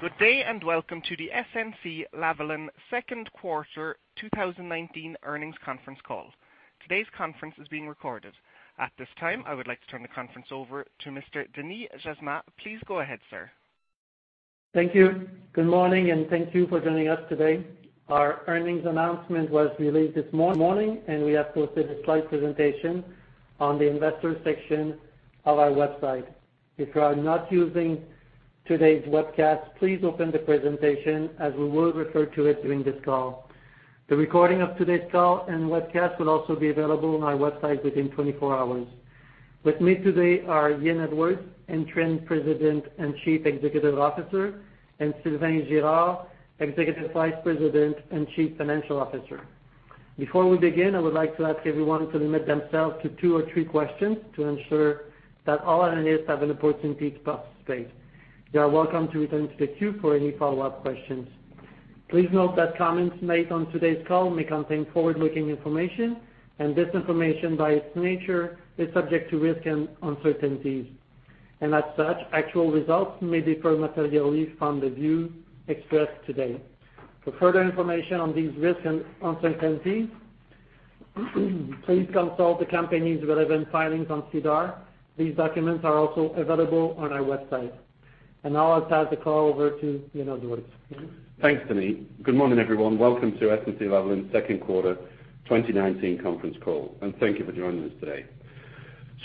Good day, welcome to the SNC-Lavalin second quarter 2019 earnings conference call. Today's conference is being recorded. At this time, I would like to turn the conference over to Mr. Denis Jasmin. Please go ahead, sir. Thank you. Good morning. Thank you for joining us today. Our earnings announcement was released this morning. We have posted a slide presentation on the investors section of our website. If you are not using today's webcast, please open the presentation as we will refer to it during this call. The recording of today's call and webcast will also be available on our website within 24 hours. With me today are Ian Edwards, Interim President and Chief Executive Officer, and Sylvain Girard, Executive Vice President and Chief Financial Officer. Before we begin, I would like to ask everyone to limit themselves to two or three questions to ensure that all analysts have an opportunity to participate. You are welcome to return to the queue for any follow-up questions. Please note that comments made on today's call may contain forward-looking information. This information, by its nature, is subject to risk and uncertainties, and as such, actual results may differ materially from the views expressed today. For further information on these risks and uncertainties, please consult the company's relevant filings on SEDAR. These documents are also available on our website. Now I'll pass the call over to Ian Edwards. Ian? Thanks, Denis. Good morning, everyone. Welcome to SNC-Lavalin's second quarter 2019 conference call. Thank you for joining us today.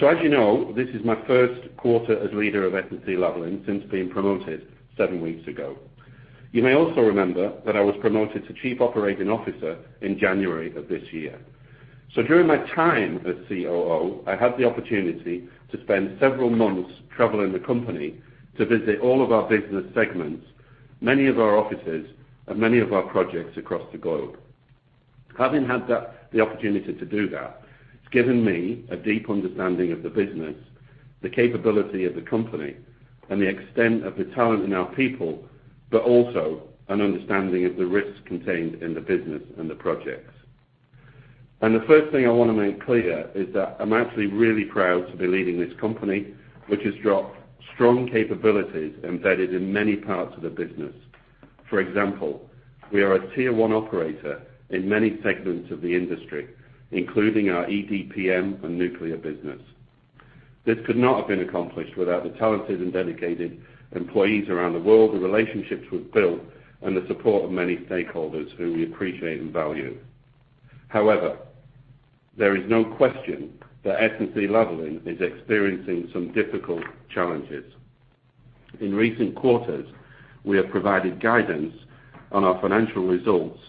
As you know, this is my first quarter as leader of SNC-Lavalin since being promoted seven weeks ago. You may also remember that I was promoted to Chief Operating Officer in January of this year. During my time as COO, I had the opportunity to spend several months traveling the company to visit all of our business segments, many of our offices, and many of our projects across the globe. Having had the opportunity to do that, it's given me a deep understanding of the business, the capability of the company, and the extent of the talent in our people, but also an understanding of the risks contained in the business and the projects. The first thing I want to make clear is that I'm actually really proud to be leading this company, which has strong capabilities embedded in many parts of the business. For example, we are a tier 1 operator in many segments of the industry, including our EDPM and nuclear business. This could not have been accomplished without the talented and dedicated employees around the world, the relationships we've built, and the support of many stakeholders who we appreciate and value. However, there is no question that SNC-Lavalin is experiencing some difficult challenges. In recent quarters, we have provided guidance on our financial results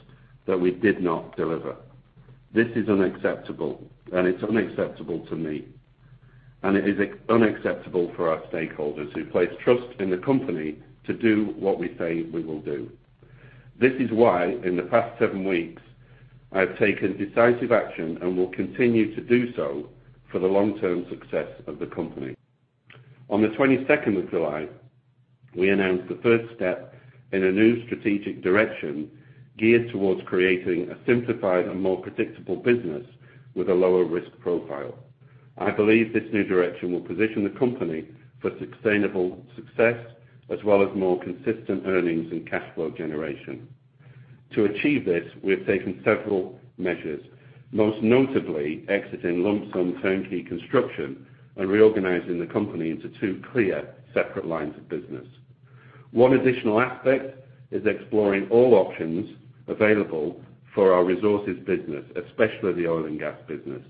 that we did not deliver. This is unacceptable, and it's unacceptable to me, and it is unacceptable for our stakeholders who place trust in the company to do what we say we will do. This is why, in the past seven weeks, I have taken decisive action and will continue to do so for the long-term success of the company. On the 22nd of July, we announced the first step in a new strategic direction geared towards creating a simplified and more predictable business with a lower risk profile. I believe this new direction will position the company for sustainable success as well as more consistent earnings and cash flow generation. To achieve this, we have taken several measures, most notably exiting lump-sum turnkey construction and reorganizing the company into two clear, separate lines of business. One additional aspect is exploring all options available for our resources business, especially the oil and gas business,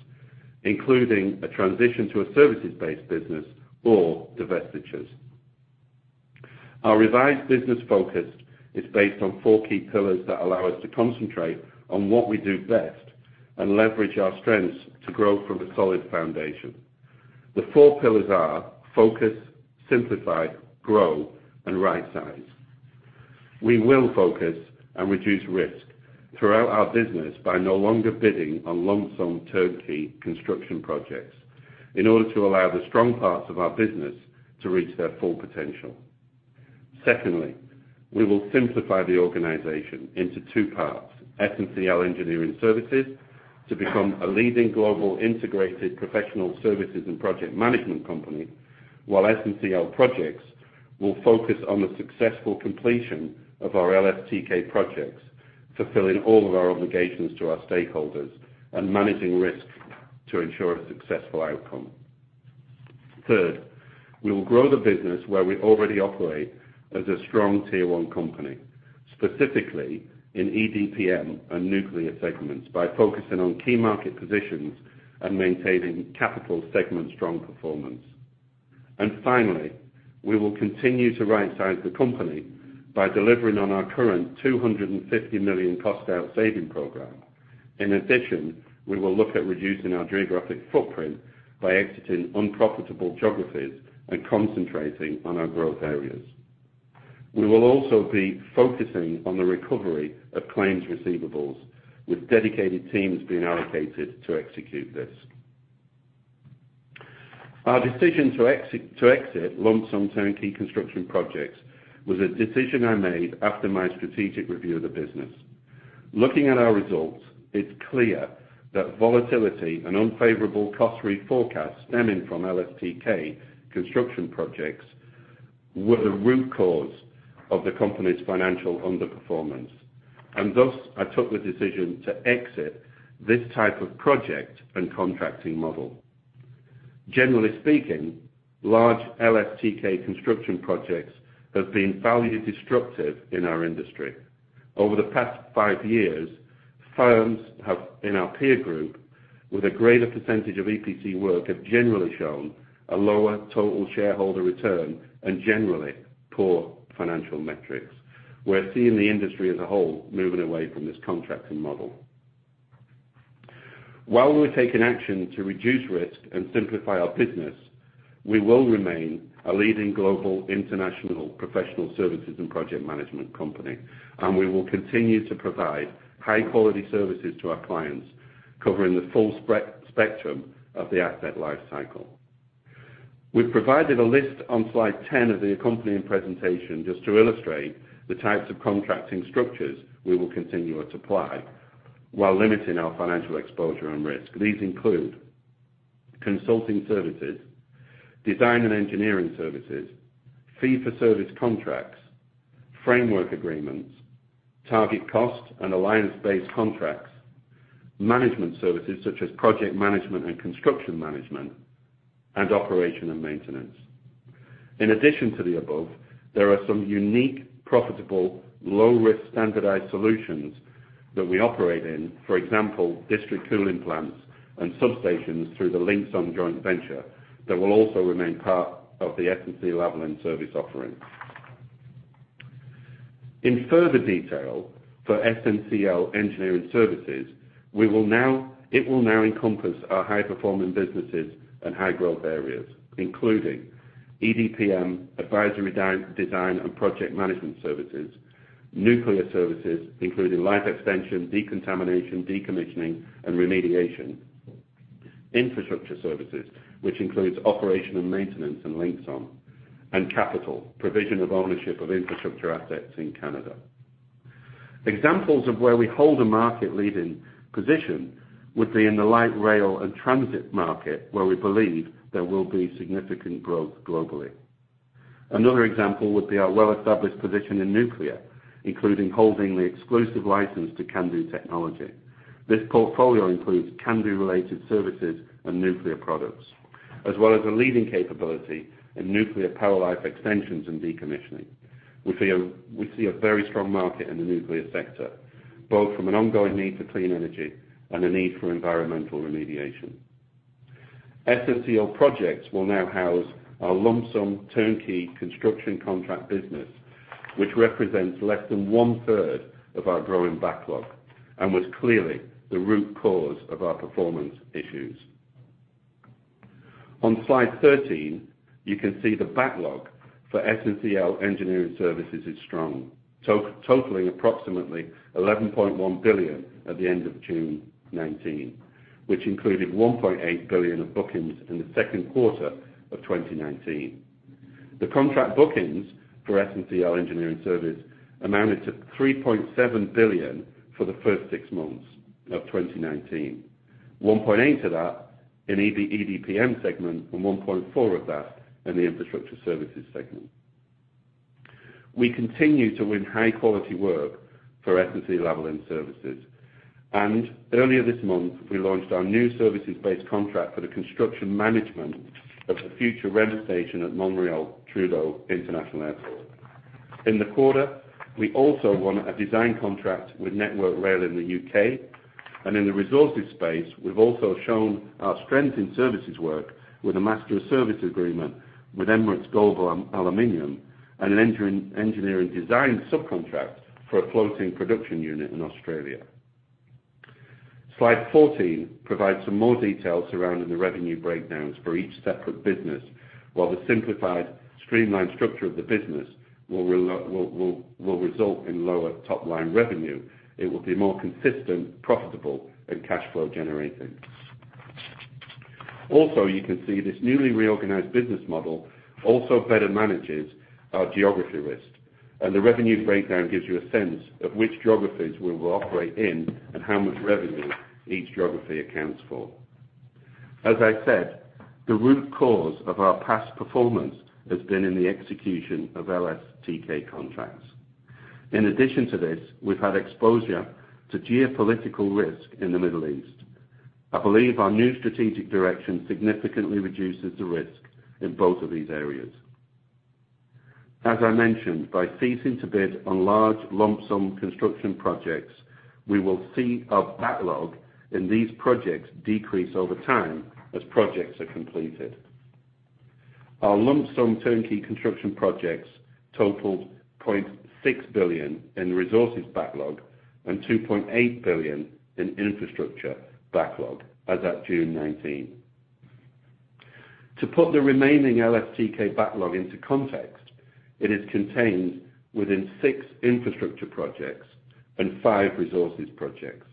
including a transition to a services-based business or divestitures. Our revised business focus is based on four key pillars that allow us to concentrate on what we do best and leverage our strengths to grow from a solid foundation. The four pillars are focus, simplify, grow, and rightsize. We will focus and reduce risk throughout our business by no longer bidding on lump-sum turnkey construction projects in order to allow the strong parts of our business to reach their full potential. Secondly, we will simplify the organization into two parts, SNCL Engineering Services, to become a leading global integrated professional services and project management company, while SNCL Projects will focus on the successful completion of our LSTK projects, fulfilling all of our obligations to our stakeholders and managing risk to ensure a successful outcome. Third, we will grow the business where we already operate as a strong tier 1 company, specifically in EDPM and nuclear segments, by focusing on key market positions and maintaining capital segment strong performance. Finally, we will continue to rightsize the company by delivering on our current 250 million cost out saving program. In addition, we will look at reducing our geographic footprint by exiting unprofitable geographies and concentrating on our growth areas. We will also be focusing on the recovery of claims receivables, with dedicated teams being allocated to execute this. Our decision to exit lump-sum turnkey construction projects was a decision I made after my strategic review of the business. Looking at our results, it's clear that volatility and unfavorable cost reforecast stemming from LSTK construction projects were the root cause of the company's financial underperformance, and thus, I took the decision to exit this type of project and contracting model. Generally speaking, large LSTK construction projects have been value destructive in our industry. Over the past five years, firms in our peer group with a greater percentage of EPC work have generally shown a lower total shareholder return and generally poor financial metrics. We're seeing the industry as a whole moving away from this contracting model. While we've taken action to reduce risk and simplify our business, we will remain a leading global international professional services and project management company, and we will continue to provide high-quality services to our clients covering the full spectrum of the asset lifecycle. We've provided a list on slide 10 of the accompanying presentation just to illustrate the types of contracting structures we will continue to apply while limiting our financial exposure and risk. These include consulting services, design and engineering services, fee for service contracts, framework agreements, target cost, and alliance-based contracts, management services such as project management and construction management, and operation and maintenance. In addition to the above, there are some unique, profitable, low-risk standardized solutions that we operate in. For example, district cooling plants and substations through the Linxon joint venture that will also remain part of the SNC-Lavalin service offering. In further detail, for SNCL Engineering Services, it will now encompass our high-performing businesses and high-growth areas, including EDPM, advisory design, and project management services, nuclear services, including life extension, decontamination, decommissioning, and remediation, infrastructure services, which includes operation and maintenance and Linxon, and capital, provision of ownership of infrastructure assets in Canada. Examples of where we hold a market-leading position would be in the light rail and transit market, where we believe there will be significant growth globally. Another example would be our well-established position in nuclear, including holding the exclusive license to CANDU technology. This portfolio includes CANDU-related services and nuclear products, as well as a leading capability in nuclear power life extensions and decommissioning. We see a very strong market in the nuclear sector, both from an ongoing need for clean energy and a need for environmental remediation. SNCL Projects will now house our lump-sum turnkey construction contract business, which represents less than one-third of our growing backlog and was clearly the root cause of our performance issues. On slide 13, you can see the backlog for SNCL Engineering Services is strong, totaling approximately 11.1 billion at the end of June 2019, which included 1.8 billion of bookings in the second quarter of 2019. The contract bookings for SNCL Engineering Services amounted to 3.7 billion for the first six months of 2019, 1.8 to that in EDPM segment, and 1.4 of that in the infrastructure services segment. We continue to win high-quality work for SNCL Engineering Services. Earlier this month, we launched our new services-based contract for the construction management of the future REM station at Montreal Trudeau International Airport. In the quarter, we also won a design contract with Network Rail in the U.K., and in the resources space, we've also shown our strength in services work with a master services agreement with Emirates Global Aluminium and an engineering design subcontract for a floating production unit in Australia. Slide 14 provides some more details surrounding the revenue breakdowns for each separate business. While the simplified, streamlined structure of the business will result in lower top-line revenue, it will be more consistent, profitable, and cash flow generating. Also, you can see this newly reorganized business model also better manages our geography risk, and the revenue breakdown gives you a sense of which geographies we will operate in and how much revenue each geography accounts for. As I said, the root cause of our past performance has been in the execution of LSTK contracts. In addition to this, we've had exposure to geopolitical risk in the Middle East. I believe our new strategic direction significantly reduces the risk in both of these areas. As I mentioned, by ceasing to bid on large lump-sum construction projects, we will see our backlog in these projects decrease over time as projects are completed. Our lump-sum turnkey construction projects totaled 0.6 billion in resources backlog and 2.8 billion in infrastructure backlog as at June 19. To put the remaining LSTK backlog into context, it is contained within six infrastructure projects and five resources projects.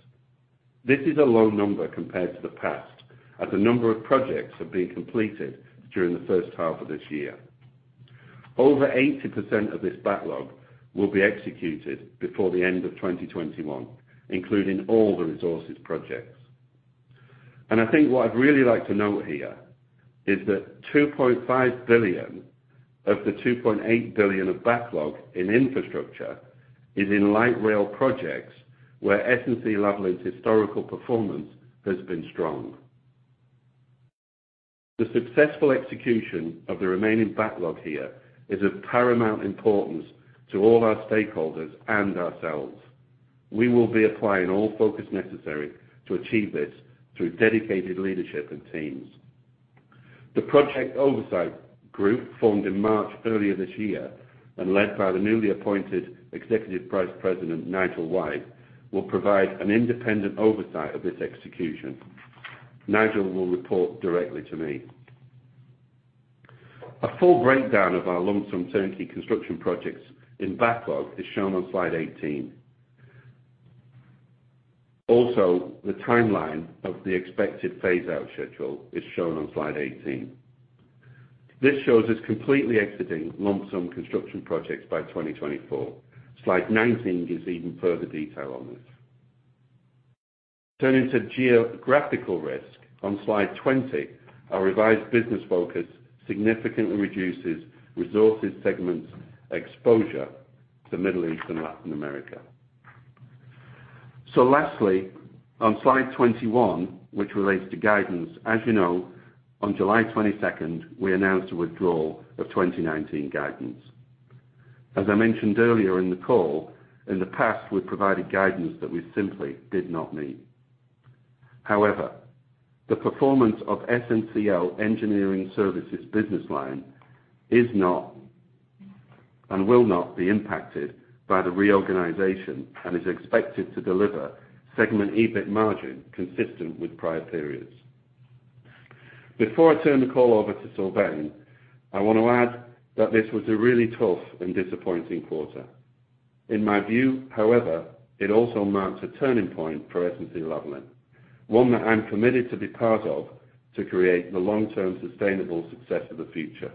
This is a low number compared to the past, as a number of projects have been completed during the first half of this year. Over 80% of this backlog will be executed before the end of 2021, including all the resources projects. I think what I'd really like to note here is that 2.5 billion of the 2.8 billion of backlog in infrastructure is in light rail projects, where SNC-Lavalin's historical performance has been strong. The successful execution of the remaining backlog here is of paramount importance to all our stakeholders and ourselves. We will be applying all focus necessary to achieve this through dedicated leadership and teams. The Project Oversight Group, formed in March earlier this year and led by the newly appointed Executive Vice President, Nigel White, will provide an independent oversight of this execution. Nigel will report directly to me. A full breakdown of our lump sum turnkey construction projects in backlog is shown on slide 18. Also, the timeline of the expected phase-out schedule is shown on slide 18. This shows us completely exiting lump sum construction projects by 2024. Slide 19 gives even further detail on this. Turning to geographical risk on Slide 20, our revised business focus significantly reduces resources segment exposure to Middle East and Latin America. Lastly, on Slide 21, which relates to guidance, as you know, on July 22nd, we announced a withdrawal of 2019 guidance. As I mentioned earlier in the call, in the past, we provided guidance that we simply did not meet. However, the performance of SNCL Engineering Services business line is not and will not be impacted by the reorganization and is expected to deliver segment EBIT margin consistent with prior periods. Before I turn the call over to Sylvain, I want to add that this was a really tough and disappointing quarter. In my view, however, it also marks a turning point for SNC-Lavalin, one that I am committed to be part of to create the long-term sustainable success of the future.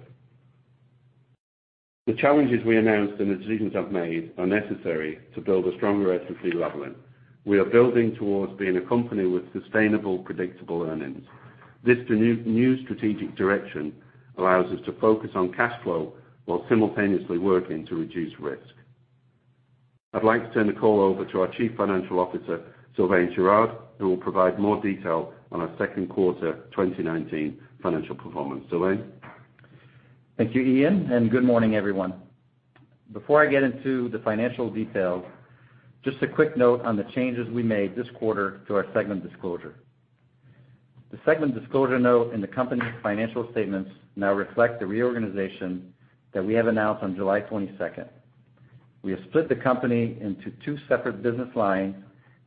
The challenges we announced and the decisions I have made are necessary to build a stronger SNC-Lavalin. We are building towards being a company with sustainable, predictable earnings. This new strategic direction allows us to focus on cash flow while simultaneously working to reduce risk. I would like to turn the call over to our Chief Financial Officer, Sylvain Girard, who will provide more detail on our second quarter 2019 financial performance. Sylvain? Thank you, Ian. Good morning, everyone. Before I get into the financial details, just a quick note on the changes we made this quarter to our segment disclosure. The segment disclosure note in the company financial statements now reflect the reorganization that we have announced on July 22nd. We have split the company into two separate business lines,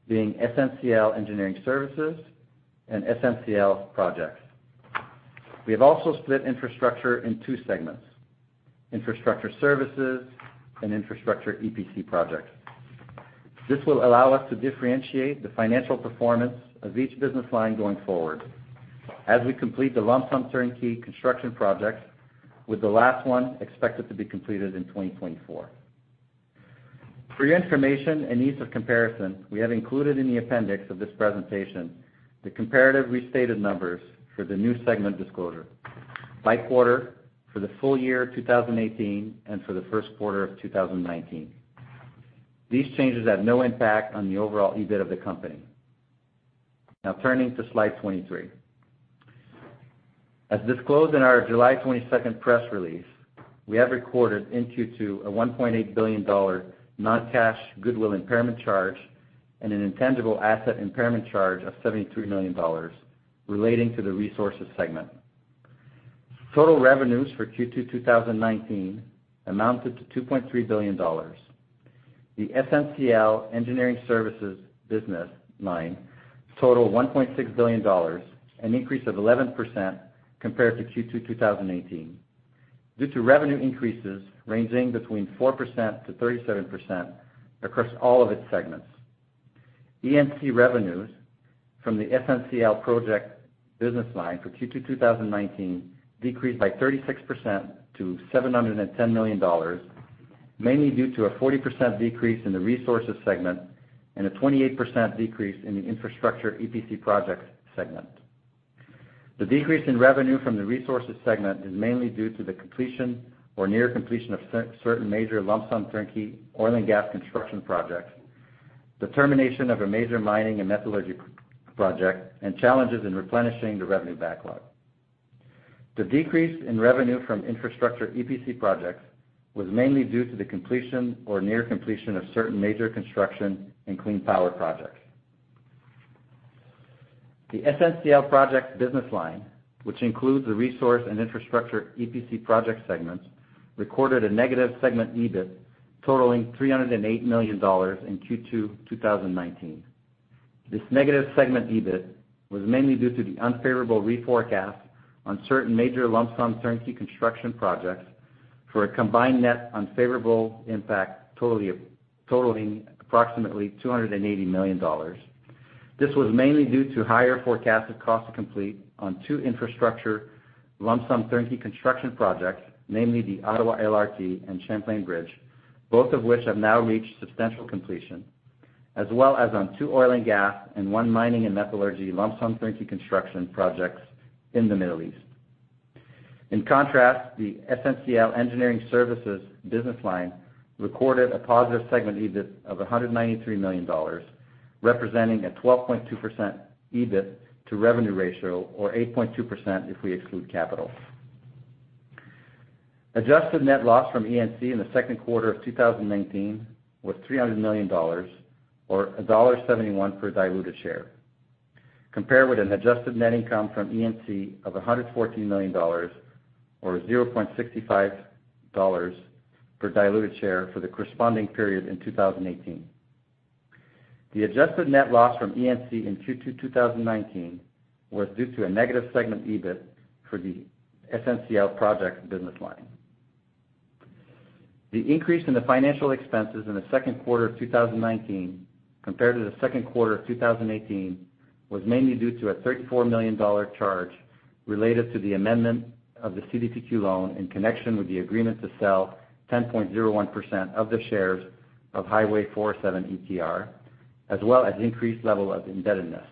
being SNCL Engineering Services and SNCL Projects. We have also split Infrastructure in two segments, Infrastructure Services and Infrastructure EPC Projects. This will allow us to differentiate the financial performance of each business line going forward as we complete the lump sum turnkey construction projects, with the last one expected to be completed in 2024. For your information and ease of comparison, we have included in the appendix of this presentation the comparative restated numbers for the new segment disclosure by quarter for the full year 2018 and for the first quarter of 2019. These changes have no impact on the overall EBIT of the company. Now turning to slide 23. As disclosed in our July 22nd press release, we have recorded in Q2 a 1.8 billion dollar non-cash goodwill impairment charge and an intangible asset impairment charge of 73 million dollars relating to the resources segment. Total revenues for Q2 2019 amounted to 2.3 billion dollars. The SNCL Engineering Services business line totaled 1.6 billion dollars, an increase of 11% compared to Q2 2018 due to revenue increases ranging between 4%-37% across all of its segments. E&C revenues from the SNCL Projects business line for Q2 2019 decreased by 36% to 710 million dollars, mainly due to a 40% decrease in the resources segment and a 28% decrease in the infrastructure EPC projects segment. The decrease in revenue from the resources segment is mainly due to the completion or near completion of certain major lump-sum turnkey oil and gas construction projects, the termination of a major mining and metallurgy project, and challenges in replenishing the revenue backlog. The decrease in revenue from infrastructure EPC projects was mainly due to the completion or near completion of certain major construction and clean power projects. The SNCL Projects business line, which includes the resource and infrastructure EPC project segments, recorded a negative segment EBIT totaling 308 million dollars in Q2 2019. This negative segment EBIT was mainly due to the unfavorable reforecast on certain major lump sum turnkey construction projects for a combined net unfavorable impact totaling approximately 280 million dollars. This was mainly due to higher forecasted cost to complete on two infrastructure lump sum turnkey construction projects, namely the Ottawa LRT and Champlain Bridge, both of which have now reached substantial completion, as well as on two oil and gas and one mining and metallurgy lump sum turnkey construction projects in the Middle East. In contrast, the SNCL Engineering Services business line recorded a positive segment EBIT of 193 million dollars, representing a 12.2% EBIT to revenue ratio, or 8.2% if we exclude capital. Adjusted net loss from E&C in the second quarter of 2019 was 300 million dollars, or CAD 1.71 per diluted share, compared with an adjusted net income from E&C of 114 million dollars, or 0.65 dollars per diluted share for the corresponding period in 2018. The adjusted net loss from E&C in Q2 2019 was due to a negative segment EBIT for the SNCL Projects business line. The increase in the financial expenses in the second quarter of 2019 compared to the second quarter of 2018 was mainly due to a 34 million dollar charge related to the amendment of the CDPQ loan in connection with the agreement to sell 10.01% of the shares of Highway 407 ETR, as well as increased level of indebtedness.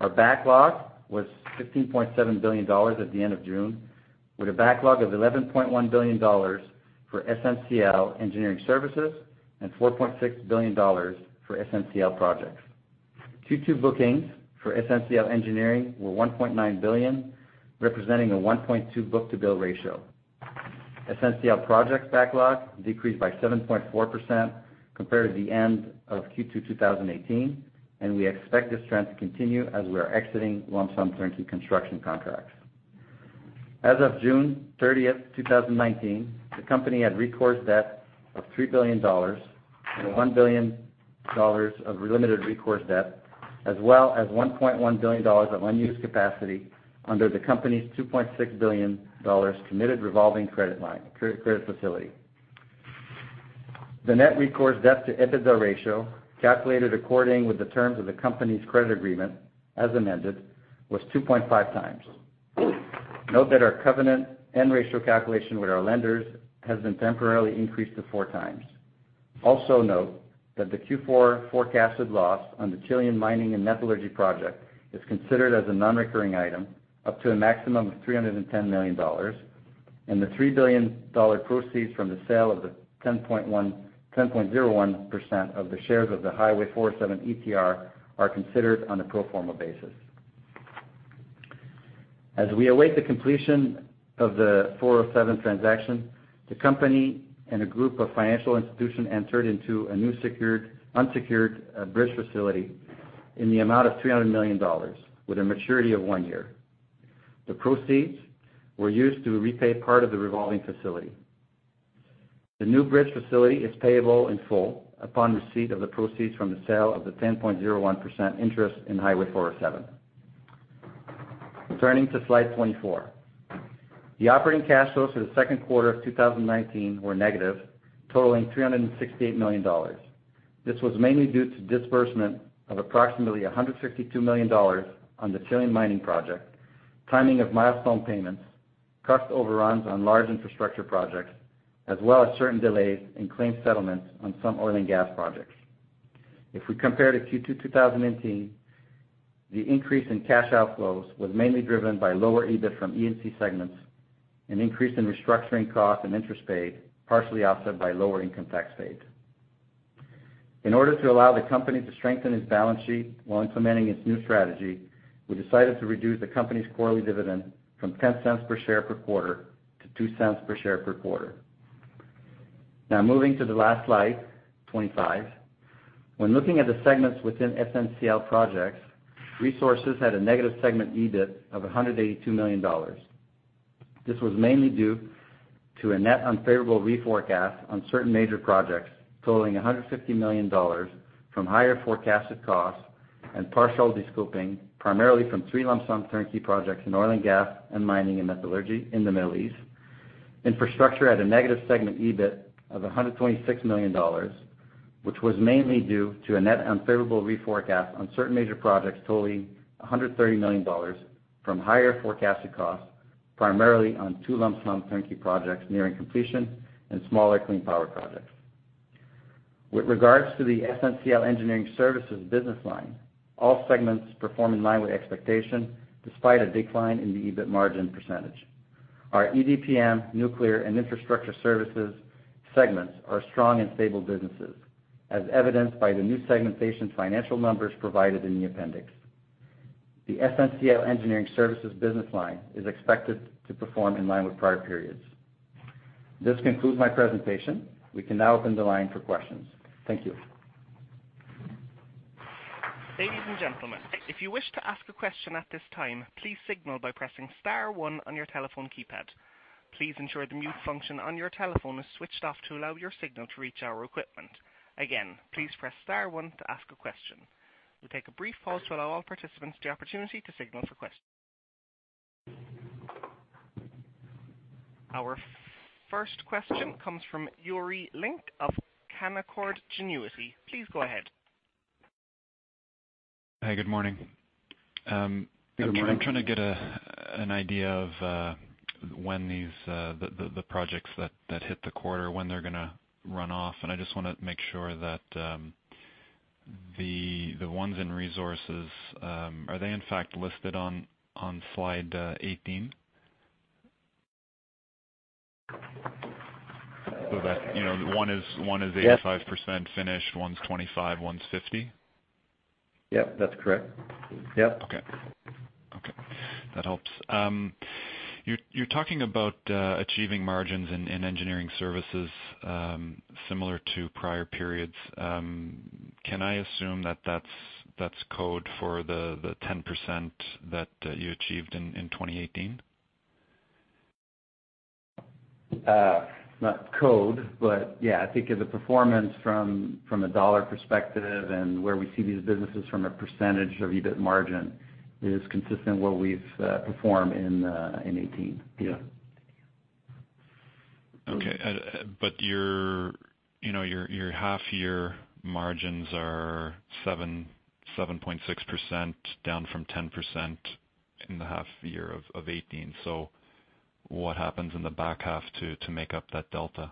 Our backlog was 15.7 billion dollars at the end of June, with a backlog of 11.1 billion dollars for SNCL Engineering Services and 4.6 billion dollars for SNCL Projects. Q2 bookings for SNC-L Engineering were 1.9 billion, representing a 1.2 book-to-bill ratio. SNC-L Projects backlog decreased by 7.4% compared to the end of Q2 2018, and we expect this trend to continue as we are exiting lump-sum turnkey construction contracts. As of June 30th, 2019, the company had recourse debt of 3 billion dollars and 1 billion dollars of limited recourse debt, as well as 1.1 billion dollars of unused capacity under the company's 2.6 billion dollars committed revolving credit facility. The net recourse debt to EBITDA ratio, calculated according to the terms of the company's credit agreement, as amended, was 2.5 times. Note that our covenant and ratio calculation with our lenders has been temporarily increased to four times. The Q4 forecasted loss on the Chilean mining and metallurgy project is considered as a non-recurring item up to a maximum of 310 million dollars, and the 3 billion dollar proceeds from the sale of the 10.01% of the shares of the Highway 407 ETR are considered on a pro forma basis. As we await the completion of the 407 transaction, the company and a group of financial institution entered into a new unsecured bridge facility in the amount of 300 million dollars with a maturity of one year. The proceeds were used to repay part of the revolving facility. The new bridge facility is payable in full upon receipt of the proceeds from the sale of the 10.01% interest in Highway 407. Turning to slide 24. The operating cash flows for the second quarter of 2019 were negative, totaling 368 million dollars. This was mainly due to disbursement of approximately 152 million dollars on the Chilean mining project, timing of milestone payments, cost overruns on large infrastructure projects, as well as certain delays in claim settlements on some oil and gas projects. If we compare to Q2 2019, the increase in cash outflows was mainly driven by lower EBIT from E&C segments and increase in restructuring costs and interest paid, partially offset by lower income tax paid. In order to allow the company to strengthen its balance sheet while implementing its new strategy, we decided to reduce the company's quarterly dividend from 0.10 per share per quarter to 0.02 per share per quarter. Moving to the last slide 25. When looking at the segments within SNC-L Projects, Resources had a negative segment EBIT of 182 million dollars. This was mainly due to a net unfavorable reforecast on certain major projects totaling 150 million dollars from higher forecasted costs and partial de-scoping, primarily from three lump sum turnkey projects in oil and gas and mining and metallurgy in the Middle East. Infrastructure had a negative segment EBIT of 126 million dollars, which was mainly due to a net unfavorable reforecast on certain major projects totaling 130 million dollars from higher forecasted costs, primarily on two lump sum turnkey projects nearing completion and smaller clean power projects. With regards to the SNCL Engineering Services business line, all segments perform in line with expectation, despite a decline in the EBIT margin percentage. Our EDPM, nuclear, and infrastructure services segments are strong and stable businesses, as evidenced by the new segmentation financial numbers provided in the appendix. The SNCL Engineering Services business line is expected to perform in line with prior periods. This concludes my presentation. We can now open the line for questions. Thank you. Ladies and gentlemen, if you wish to ask a question at this time, please signal by pressing *1 on your telephone keypad. Please ensure the mute function on your telephone is switched off to allow your signal to reach our equipment. Again, please press *1 to ask a question. We'll take a brief pause to allow all participants the opportunity to signal for questions. Our first question comes from Yuri Lynk of Canaccord Genuity. Please go ahead. Hi, good morning. Good morning. I'm trying to get an idea of the projects that hit the quarter, when they're going to run off, and I just want to make sure that the ones in Resources, are they in fact listed on slide 18? Yes 85% finished, one's 25%, one's 50%. Yep, that's correct. Yep. Okay. That helps. You're talking about achieving margins in engineering services similar to prior periods. Can I assume that that's code for the 10% that you achieved in 2018? Not code, but yeah. I think as a performance from a dollar perspective and where we see these businesses from a percentage of EBIT margin is consistent where we've performed in 2018. Yeah. Okay. Your half-year margins are 7.6%, down from 10% in the half year of 2018. What happens in the back half to make up that delta?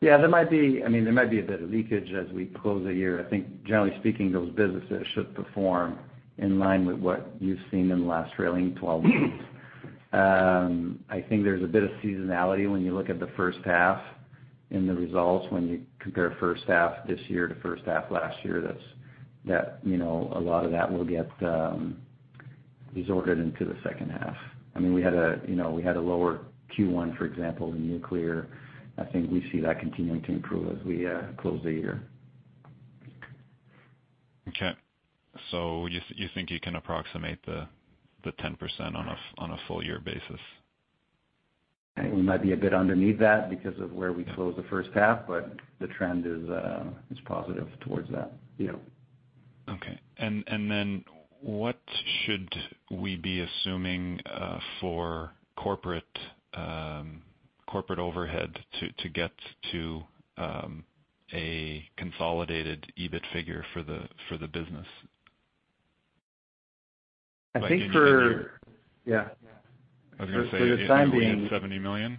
Yeah, there might be a bit of leakage as we close the year. I think generally speaking, those businesses should perform in line with what you've seen in the last trailing 12 months. I think there's a bit of seasonality when you look at the first half in the results, when you compare first half this year to first half last year, a lot of that will get reordered into the second half. We had a lower Q1, for example, in nuclear. I think we see that continuing to improve as we close the year. Okay. You think you can approximate the 10% on a full year basis? I think we might be a bit underneath that because of where we closed the first half, but the trend is positive towards that. Yeah. Okay. Then what should we be assuming for corporate overhead to get to a consolidated EBIT figure for the business? I think for- Like in a year? Yeah. I was going to say. For the time being. it's going to be at 70 million?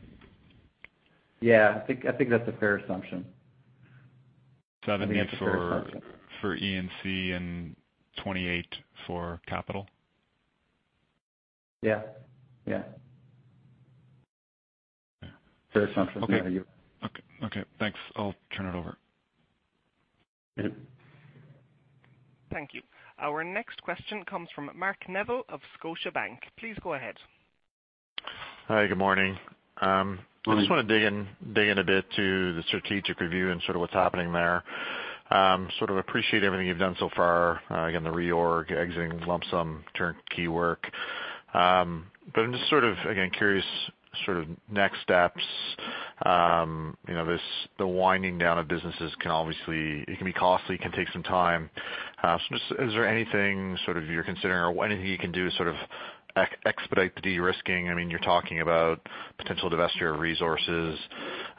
Yeah, I think that's a fair assumption. 70 for E&C and 28 for capital. Yeah. Fair assumption. Okay. Thanks. I'll turn it over. Yep. Thank you. Our next question comes from Mark Neville of Scotiabank. Please go ahead. Hi, good morning. Morning. I just want to dig in a bit to the strategic review and sort of what's happening there. Sort of appreciate everything you've done so far. Again, the reorg, exiting lump-sum turnkey work. I'm just sort of, again, curious sort of next steps. The winding down of businesses can obviously, it can be costly, it can take some time. Just, is there anything sort of you're considering or anything you can do to sort of expedite the de-risking? You're talking about potential divestiture of resources.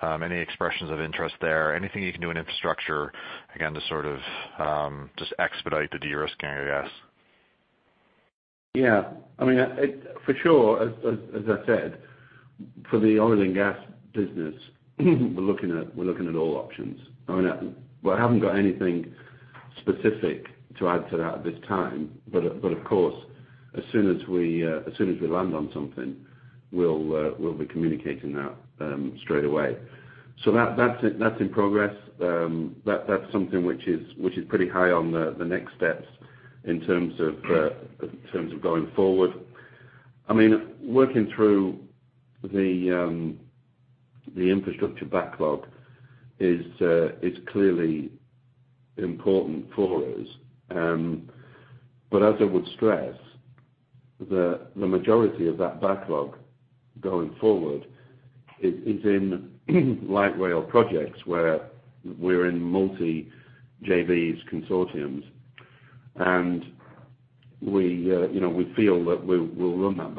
Any expressions of interest there? Anything you can do in infrastructure, again, to sort of, just expedite the de-risking, I guess? Yeah. For sure, as I said, for the oil and gas business, we're looking at all options. I haven't got anything specific to add to that at this time, but of course, as soon as we land on something, we'll be communicating that straight away. That's in progress. That's something which is pretty high on the next steps in terms of going forward. Working through the infrastructure backlog is clearly important for us. As I would stress, the majority of that backlog going forward is in light rail projects where we're in multi JVs consortiums. We feel that we'll run that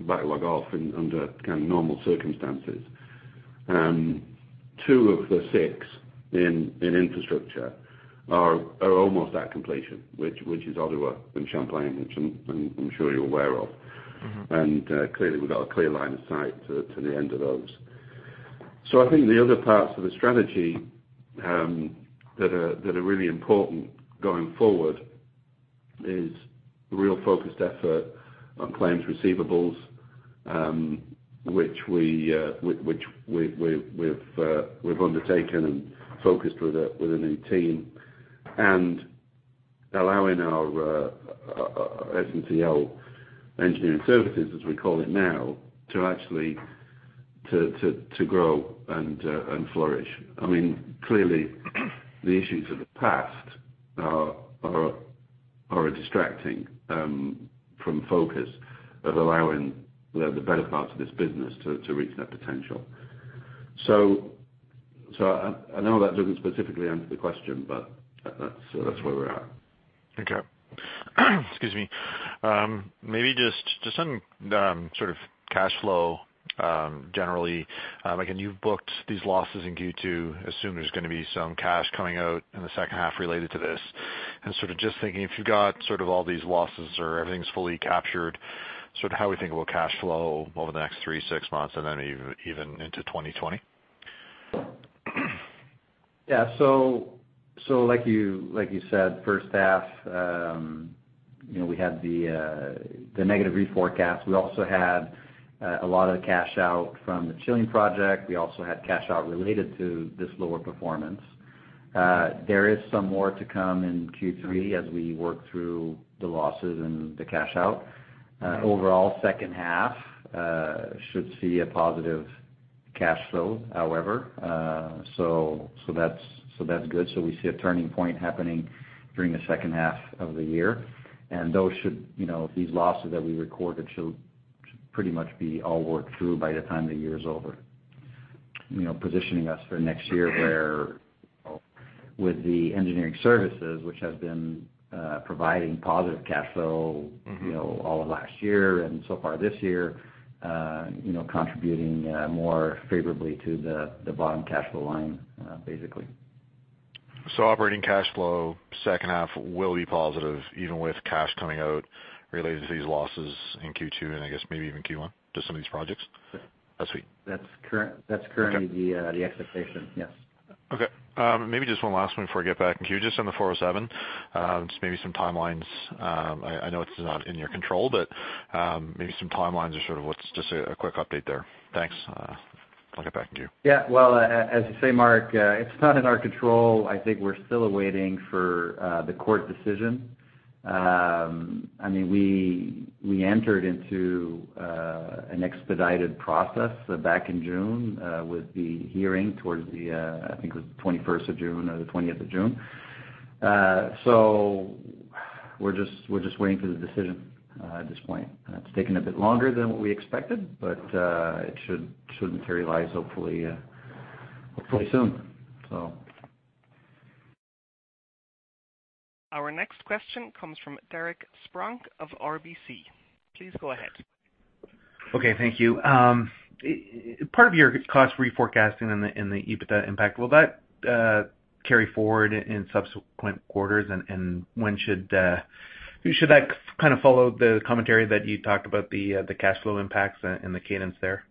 backlog off under kind of normal circumstances. Two of the six in infrastructure are almost at completion, which is Ottawa and Champlain, which I'm sure you're aware of. Clearly, we've got a clear line of sight to the end of those. I think the other parts of the strategy that are really important going forward is real focused effort on claims receivables, which we've undertaken and focused with a new team, and allowing our SNCL Engineering Services, as we call it now, to actually grow and flourish. Clearly, the issues of the past are distracting from focus of allowing the better parts of this business to reach their potential. I know that doesn't specifically answer the question, but that's where we're at. Okay. Excuse me. Maybe just on sort of cash flow, generally. Again, you've booked these losses in Q2, assume there's going to be some cash coming out in the second half related to this, and sort of just thinking if you've got sort of all these losses or everything's fully captured, sort of how we think about cash flow over the next three, six months, and then even into 2020? Like you said, first half, we had the negative reforecast. We also had a lot of the cash out from the Codelco project. We also had cash out related to this lower performance. There is some more to come in Q3 as we work through the losses and the cash out. Overall, second half should see a positive cash flow, however, that's good. We see a turning point happening during the second half of the year. These losses that we recorded should pretty much be all worked through by the time the year is over, positioning us for next year where with the Engineering Services, which have been providing positive cash flow all of last year and so far this year, contributing more favorably to the bottom cash flow line, basically. Operating cash flow, second half will be positive even with cash coming out related to these losses in Q2, and I guess maybe even Q1 to some of these projects? Yeah. That's sweet. That's currently the expectation. Yes. Maybe just one last one before I get back in queue. Just on the 407, just maybe some timelines. I know it's not in your control, but maybe some timelines or sort of what's just a quick update there. Thanks. I'll get back in queue. As you say, Mark, it's not in our control. I think we're still awaiting for the court decision. We entered into an expedited process back in June with the hearing, I think it was the 21st of June or the 20th of June. We're just waiting for the decision at this point. It's taken a bit longer than what we expected, but it should materialize hopefully soon. Our next question comes from Derek Spronck of RBC. Please go ahead. Okay. Thank you. Part of your cost reforecasting and the EBITDA impact, will that carry forward in subsequent quarters and when should that kind of follow the commentary that you talked about the cash flow impacts and the cadence there?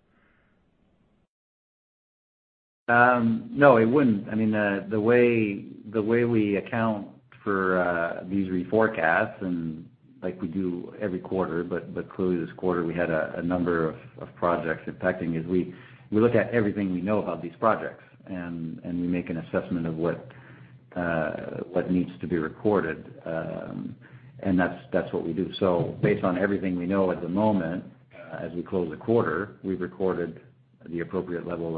No, it wouldn't. The way we account for these reforecasts and like we do every quarter, but clearly this quarter we had a number of projects impacting is we look at everything we know about these projects, and we make an assessment of what needs to be recorded. That's what we do. Based on everything we know at the moment, as we close the quarter, we've recorded the appropriate level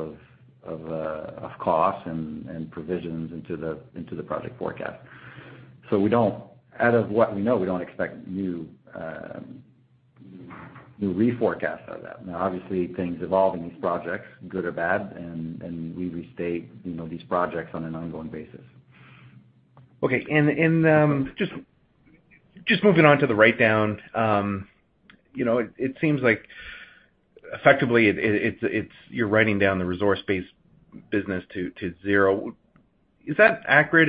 of costs and provisions into the project forecast. Out of what we know, we don't expect new reforecasts of that. Now, obviously, things evolve in these projects, good or bad, and we restate these projects on an ongoing basis. Okay. Just moving on to the write-down. It seems like effectively, you're writing down the resource-based business to zero. Is that accurate?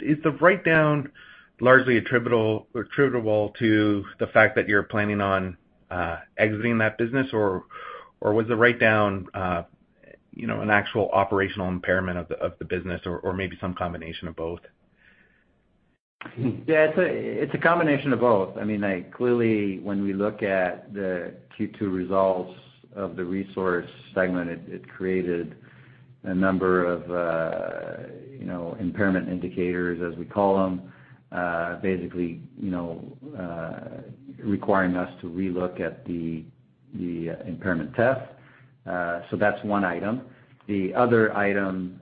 Is the write-down largely attributable to the fact that you're planning on exiting that business? Was the write-down an actual operational impairment of the business or maybe some combination of both? Yeah. It's a combination of both. Clearly, when we look at the Q2 results of the resource segment, it created a number of impairment indicators, as we call them, basically requiring us to relook at the impairment test. That's one item. The other item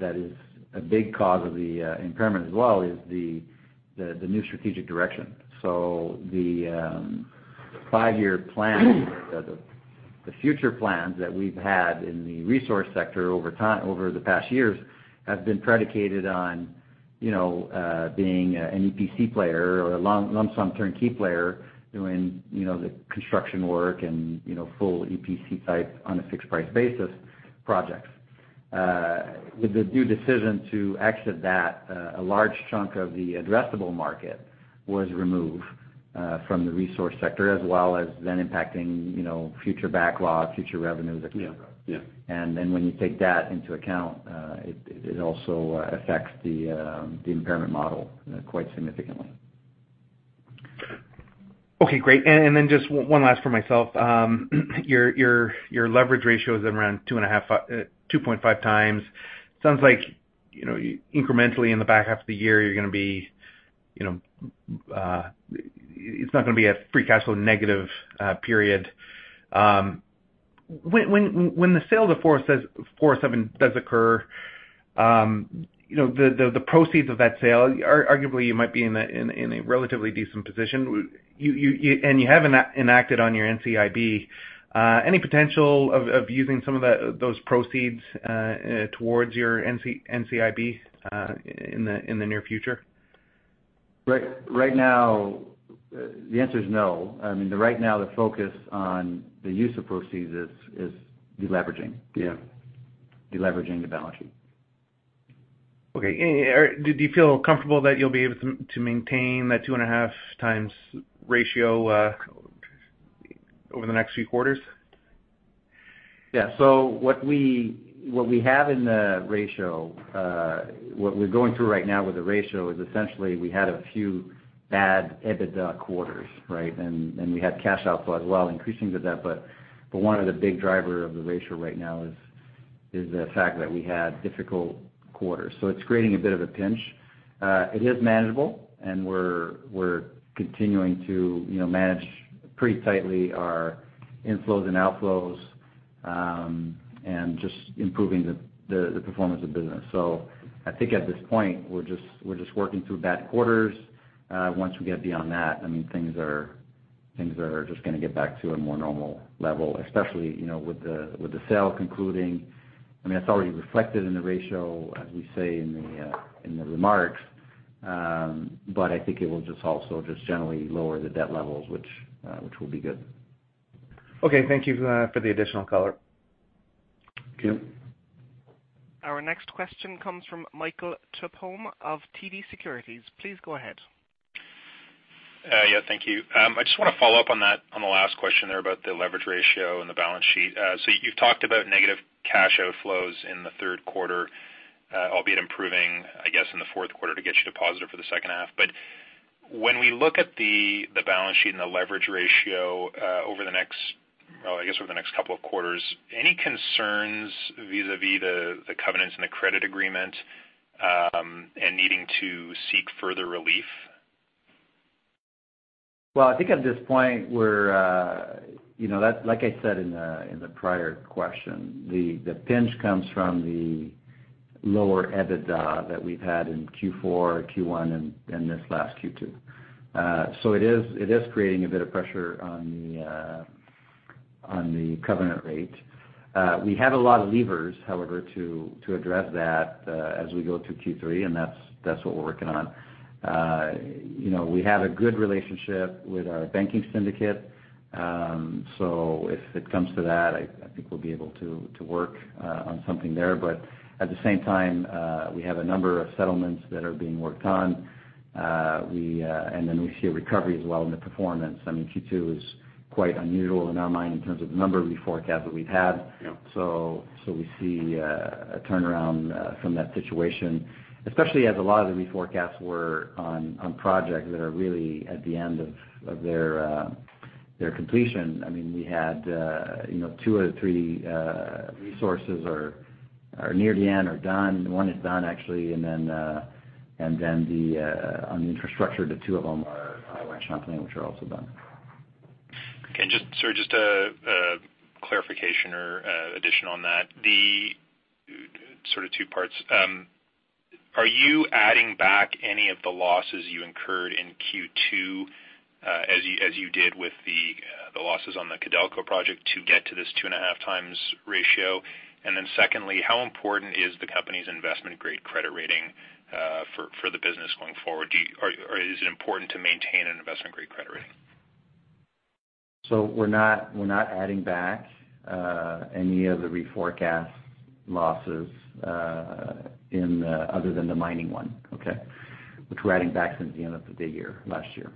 that is a big cause of the impairment as well is the new strategic direction. The five-year plan, the future plans that we've had in the resource sector over the past years have been predicated on being an EPC player or a lump-sum turnkey player doing the construction work and full EPC type on a fixed price basis projects. With the due decision to exit that, a large chunk of the addressable market was removed from the resource sector, as well as then impacting future backlog, future revenues. Yeah. When you take that into account, it also affects the impairment model quite significantly. Okay, great. Just one last for myself. Your leverage ratio is around 2.5 times. Sounds like incrementally in the back half of the year, it's not going to be a free cash flow negative period. When the sale of the 407 does occur. The proceeds of that sale, arguably you might be in a relatively decent position. You haven't enacted on your NCIB. Any potential of using some of those proceeds towards your NCIB in the near future? Right now, the answer is no. Right now, the focus on the use of proceeds is deleveraging. Yeah. Deleveraging the balance sheet. Okay. Do you feel comfortable that you'll be able to maintain that two and a half times ratio over the next few quarters? Yeah. What we're going through right now with the ratio is essentially we had a few bad EBITDA quarters, right? We had cash outflow as well, increasing the debt. One of the big driver of the ratio right now is the fact that we had difficult quarters. It's creating a bit of a pinch. It is manageable and we're continuing to manage pretty tightly our inflows and outflows, and just improving the performance of the business. I think at this point, we're just working through bad quarters. Once we get beyond that, things are just going to get back to a more normal level, especially, with the sale concluding. It's already reflected in the ratio, as we say in the remarks, but I think it will just also just generally lower the debt levels, which will be good. Okay. Thank you for the additional color. Okay. Our next question comes from Michael Tupholme of TD Securities. Please go ahead. Yeah, thank you. I just want to follow up on the last question there about the leverage ratio and the balance sheet. You've talked about negative cash outflows in the third quarter, albeit improving, I guess, in the fourth quarter to get you to positive for the second half. When we look at the balance sheet and the leverage ratio over the next couple of quarters, any concerns vis-a-vis the covenants and the credit agreement, and needing to seek further relief? Well, I think at this point, like I said in the prior question, the pinch comes from the lower EBITDA that we've had in Q4, Q1, and this last Q2. It is creating a bit of pressure on the covenant rate. We have a lot of levers, however, to address that as we go through Q3, and that's what we're working on. We have a good relationship with our banking syndicate. If it comes to that, I think we'll be able to work on something there. At the same time, we have a number of settlements that are being worked on. We see a recovery as well in the performance. Q2 is quite unusual in our mind in terms of the number of reforecasts that we've had. Yeah. We see a turnaround from that situation, especially as a lot of the reforecasts were on projects that are really at the end of their completion. We had two out of three resources are near the end or done. One is done, actually, and then on the infrastructure, the two of them are at West Chandani, which are also done. Okay. Sorry, just a clarification or addition on that. Sort of two parts. Are you adding back any of the losses you incurred in Q2, as you did with the losses on the Codelco project to get to this two and a half times ratio? Secondly, how important is the company's investment-grade credit rating for the business going forward? Is it important to maintain an investment-grade credit rating? We're not adding back any of the reforecast losses other than the mining one, okay? Which we're adding back since the end of the year, last year.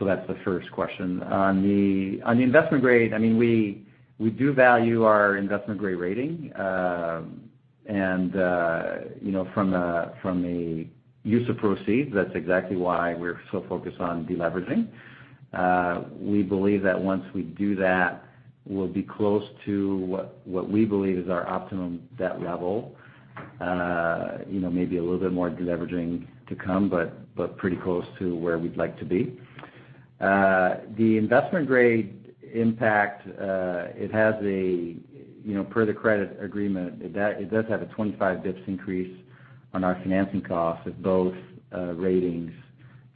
That's the first question. On the investment grade, we do value our investment-grade rating. From the use of proceeds, that's exactly why we're so focused on deleveraging. We believe that once we do that, we'll be close to what we believe is our optimum debt level. Maybe a little bit more deleveraging to come, but pretty close to where we'd like to be. The investment grade impact, per the credit agreement, it does have a 25 basis points increase on our financing cost if both ratings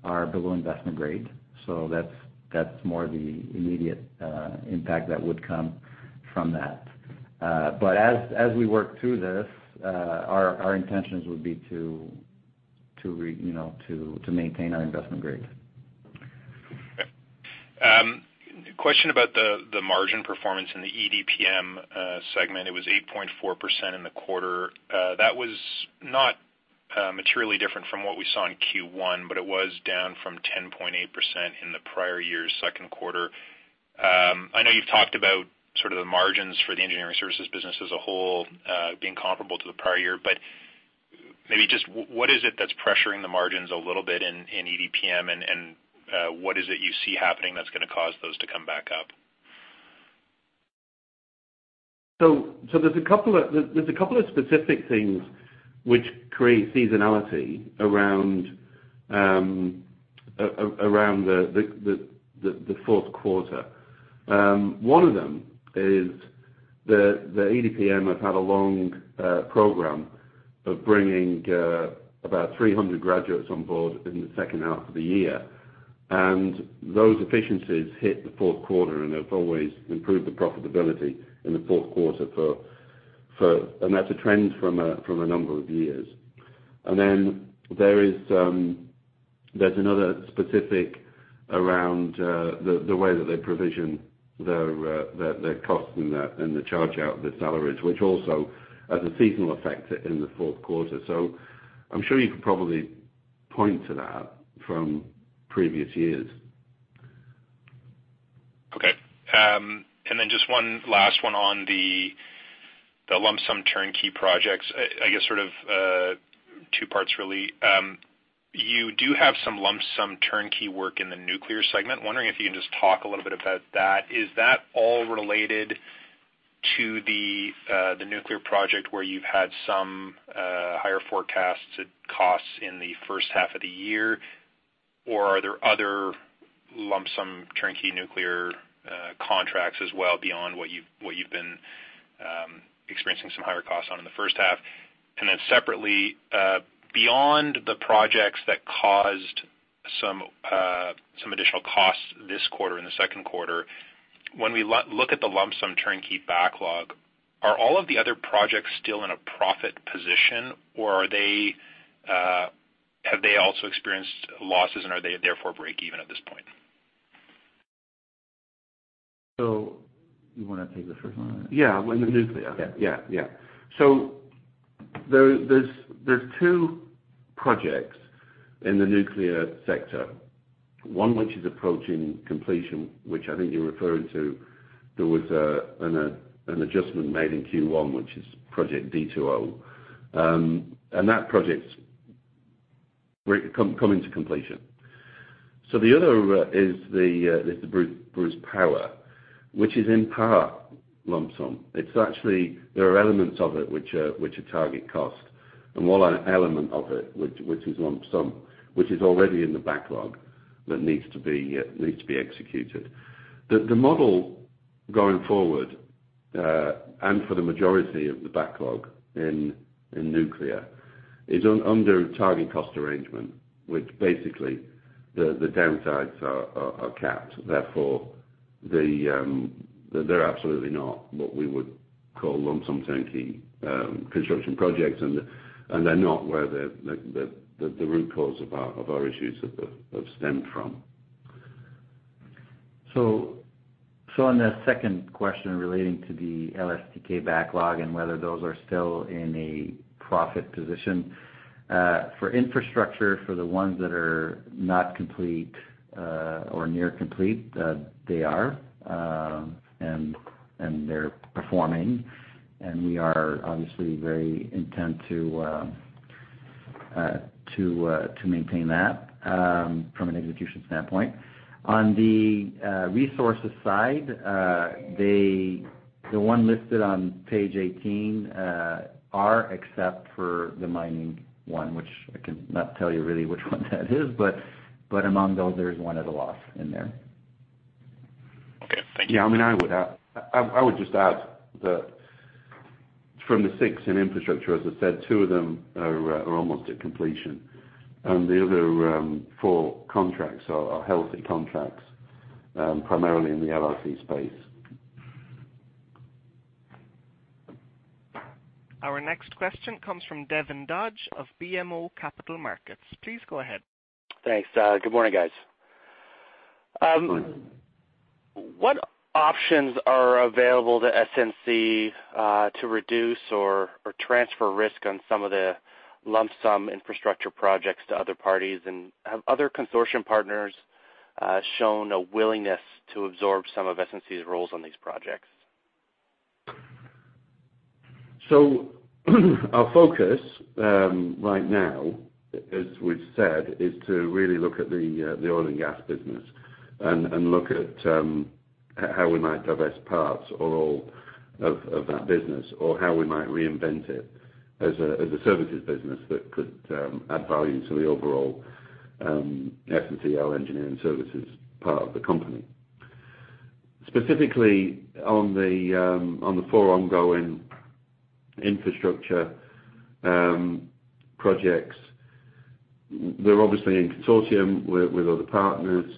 are below investment grade. That's more the immediate impact that would come from that. As we work through this, our intentions would be to maintain our investment grade. Question about the margin performance in the EDPM segment. It was 8.4% in the quarter. That was not materially different from what we saw in Q1, but it was down from 10.8% in the prior year's second quarter. I know you've talked about the margins for the engineering services business as a whole being comparable to the prior year, but maybe just what is it that's pressuring the margins a little bit in EDPM and what is it you see happening that's going to cause those to come back up? There's a couple of specific things which create seasonality around. Around the fourth quarter. One of them is the EDPM have had a long program of bringing about 300 graduates on board in the second half of the year. Those efficiencies hit the fourth quarter, and they've always improved the profitability in the fourth quarter, and that's a trend from a number of years. Then there's another specific around the way that they provision their cost and the charge out of the salaries, which also has a seasonal effect in the fourth quarter. I'm sure you could probably point to that from previous years. Okay. Just one last one on the lump sum turnkey projects, I guess sort of two parts, really. You do have some lump sum turnkey work in the nuclear segment. Wondering if you can just talk a little bit about that. Is that all related to the nuclear project where you've had some higher forecasts at costs in the first half of the year, or are there other lump sum turnkey nuclear contracts as well beyond what you've been experiencing some higher costs on in the first half? Separately, beyond the projects that caused some additional costs this quarter, in the second quarter, when we look at the lump sum turnkey backlog, are all of the other projects still in a profit position or have they also experienced losses and are they therefore break-even at this point? You want to take the first one? Yeah, on the nuclear. Yeah. There's two projects in the nuclear sector. One which is approaching completion, which I think you're referring to, there was an adjustment made in Q1, which is project D2O. That project coming to completion. The other is the Bruce Power, which is in part lump sum. It's actually, there are elements of it which are target cost, and one element of it which is lump sum, which is already in the backlog that needs to be executed. The model going forward, and for the majority of the backlog in nuclear, is under a target cost arrangement, which basically the downsides are capped. Therefore, they're absolutely not what we would call lump sum turnkey construction projects, and they're not where the root cause of our issues have stemmed from. On the second question relating to the LSTK backlog and whether those are still in a profit position. For infrastructure, for the ones that are not complete or near complete, they are, and they're performing, and we are obviously very intent to maintain that from an execution standpoint. On the resources side, the one listed on page 18 are except for the mining one, which I cannot tell you really which one that is, but among those, there's one at a loss in there. Okay. Thank you. I would just add that from the six in infrastructure, as I said, two of them are almost at completion. The other four contracts are healthy contracts, primarily in the LRT space. Our next question comes from Devin Dodge of BMO Capital Markets. Please go ahead. Thanks. Good morning, guys. Good morning. What options are available to SNC to reduce or transfer risk on some of the lump-sum infrastructure projects to other parties? Have other consortium partners shown a willingness to absorb some of SNC's roles on these projects? Our focus right now, as we've said, is to really look at the oil and gas business and look at how we might divest parts or all of that business. How we might reinvent it as a services business that could add value to the overall SNCL Engineering Services part of the company. Specifically on the four ongoing infrastructure projects, they're obviously in consortium with other partners.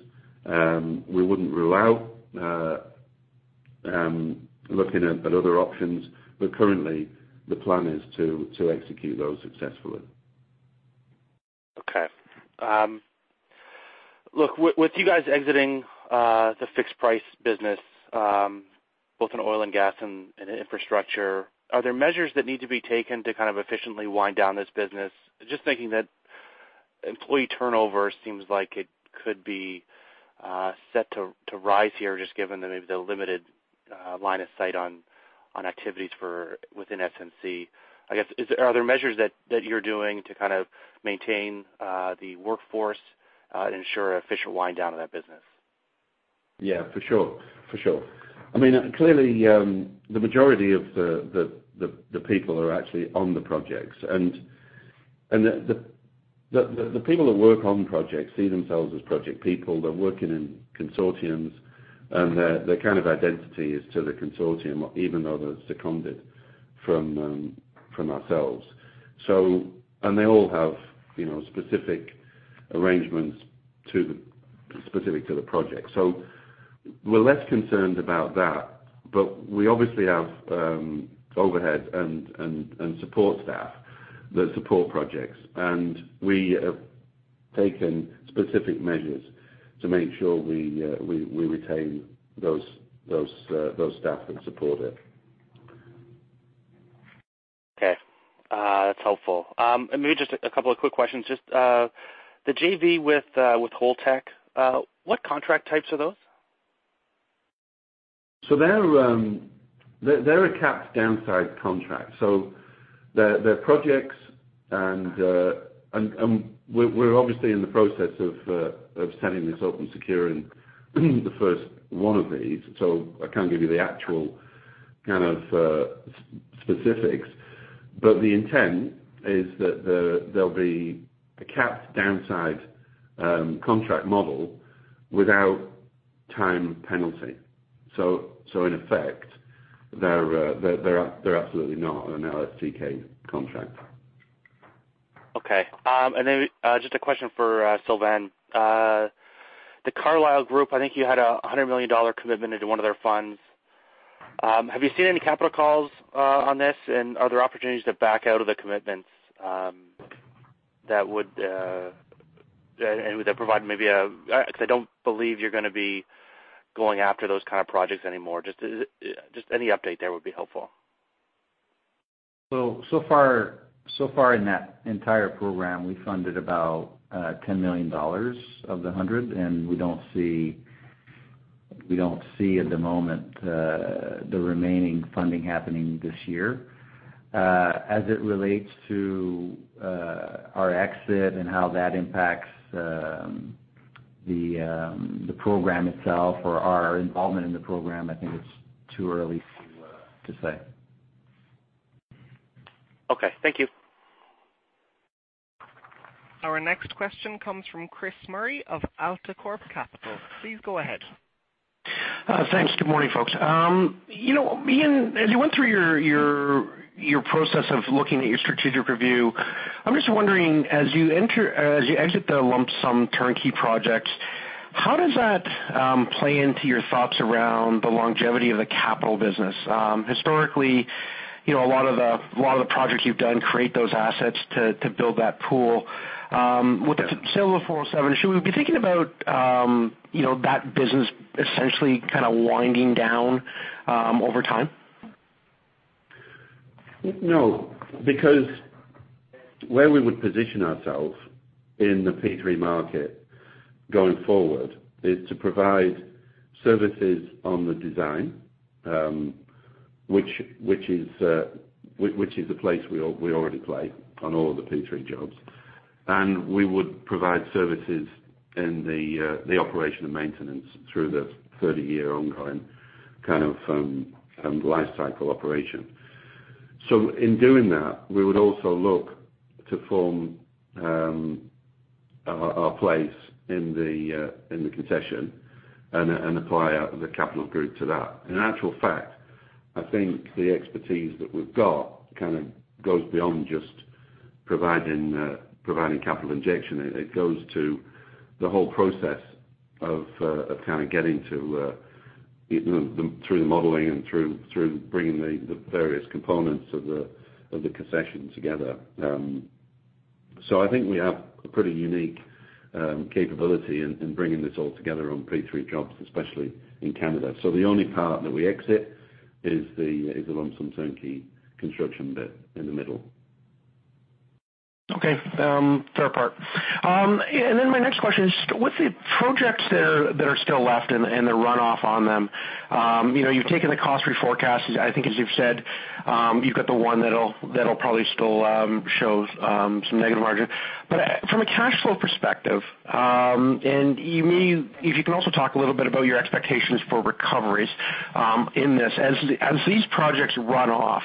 We wouldn't rule out looking at other options, but currently the plan is to execute those successfully. Okay. Look, with you guys exiting the fixed price business, both in oil and gas and infrastructure, are there measures that need to be taken to kind of efficiently wind down this business? Just thinking that employee turnover seems like it could be set to rise here, just given maybe the limited line of sight on activities within SNC. I guess, are there measures that you're doing to kind of maintain the workforce and ensure efficient wind down of that business? Yeah, for sure. Clearly, the majority of the people are actually on the projects. The people that work on projects see themselves as project people. They're working in consortiums, and their kind of identity is to the consortium, even though they're seconded from ourselves. They all have specific arrangements specific to the project. We're less concerned about that, but we obviously have overhead and support staff that support projects. We have taken specific measures to make sure we retain those staff that support it. Okay. That's helpful. Maybe just a couple of quick questions. Just the JV with Holtec, what contract types are those? They're a capped downside contract. They're projects, and we're obviously in the process of sending this open secure in the first one of these, so I can't give you the actual kind of specifics. The intent is that there'll be a capped downside contract model without time penalty. In effect, they're absolutely not an LSTK contract. Okay. Just a question for Sylvain. The Carlyle Group, I think you had a 100 million dollar commitment into one of their funds. Have you seen any capital calls on this? Are there opportunities to back out of the commitments that would provide maybe a Because I don't believe you're going to be going after those kind of projects anymore. Just any update there would be helpful. Far in that entire program, we funded about 10 million dollars of the 100 million, and we don't see at the moment the remaining funding happening this year. As it relates to our exit and how that impacts the program itself or our involvement in the program, I think it's too early to say. Okay. Thank you. Our next question comes from Chris Murray of AltaCorp Capital. Please go ahead. Thanks. Good morning, folks. Ian, as you went through your process of looking at your strategic review, I'm just wondering, as you exit the lump sum turnkey projects, how does that play into your thoughts around the longevity of the capital business? Historically, a lot of the projects you've done create those assets to build that pool. With the sale of the 407, should we be thinking about that business essentially kind of winding down over time? No, because where we would position ourselves in the P3 market going forward is to provide services on the design, which is a place we already play on all of the P3 jobs. We would provide services in the operation and maintenance through the 30-year ongoing kind of lifecycle operation. In doing that, we would also look to form our place in the concession and apply the capital group to that. In actual fact, I think the expertise that we've got kind of goes beyond just providing capital injection. It goes to the whole process of kind of getting through the modeling and through bringing the various components of the concession together. I think we have a pretty unique capability in bringing this all together on P3 jobs, especially in Canada. The only part that we exit is the lump-sum turnkey construction bit in the middle. Okay. Fair part. My next question is, with the projects that are still left and the runoff on them, you've taken the cost reforecast. I think, as you've said, you've got the one that'll probably still show some negative margin. From a cash flow perspective, and if you can also talk a little bit about your expectations for recoveries in this. As these projects run off,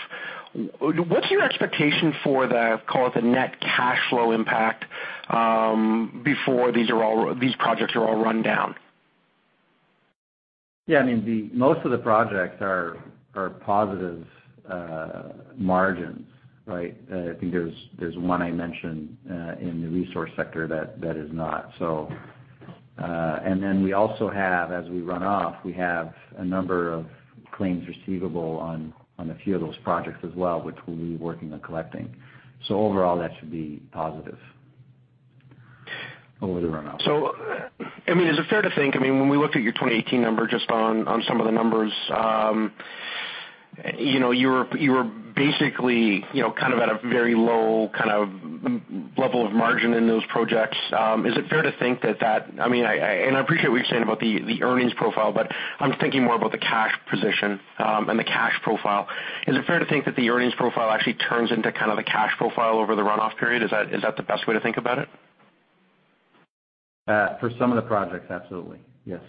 what's your expectation for the, call it, the net cash flow impact, before these projects are all run down? Most of the projects are positive margins, right? I think there's one I mentioned in the resource sector that is not. We also have, as we run off, we have a number of claims receivable on a few of those projects as well, which we'll be working on collecting. Overall, that should be positive over the runoff. Is it fair to think, when we looked at your 2018 number just on some of the numbers, you were basically at a very low level of margin in those projects. Is it fair to think that, and I appreciate what you're saying about the earnings profile, but I'm thinking more about the cash position and the cash profile. Is it fair to think that the earnings profile actually turns into kind of the cash profile over the runoff period? Is that the best way to think about it? For some of the projects, absolutely. Yes.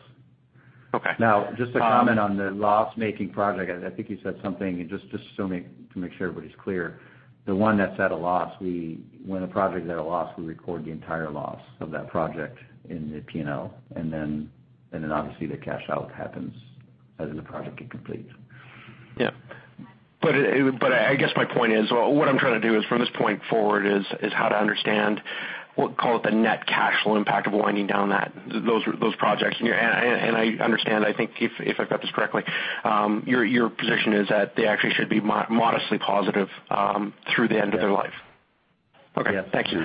Okay. Just to comment on the loss-making project, I think you said something, just to make sure everybody's clear. The one that's at a loss, when a project is at a loss, we record the entire loss of that project in the P&L, and then obviously the cash out happens as the project gets completed. Yeah. I guess my point is, what I'm trying to do is from this point forward, is how to understand, we'll call it the net cash flow impact of winding down those projects. I understand, I think, if I've got this correctly, your position is that they actually should be modestly positive through the end of their life. Yeah. Okay. Thank you.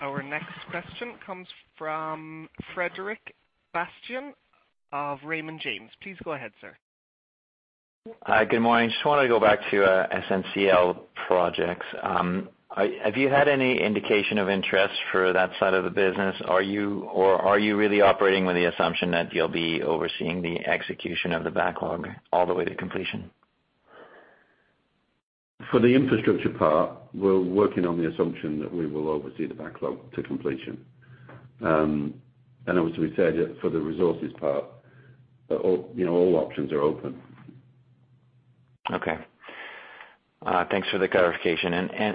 Our next question comes from Frederic Bastien of Raymond James. Please go ahead, sir. Hi. Good morning. Just wanted to go back to SNCL Projects. Have you had any indication of interest for that side of the business? Are you really operating with the assumption that you'll be overseeing the execution of the backlog all the way to completion? For the infrastructure part, we're working on the assumption that we will oversee the backlog to completion. Obviously we said it for the resources part, all options are open. Okay. Thanks for the clarification.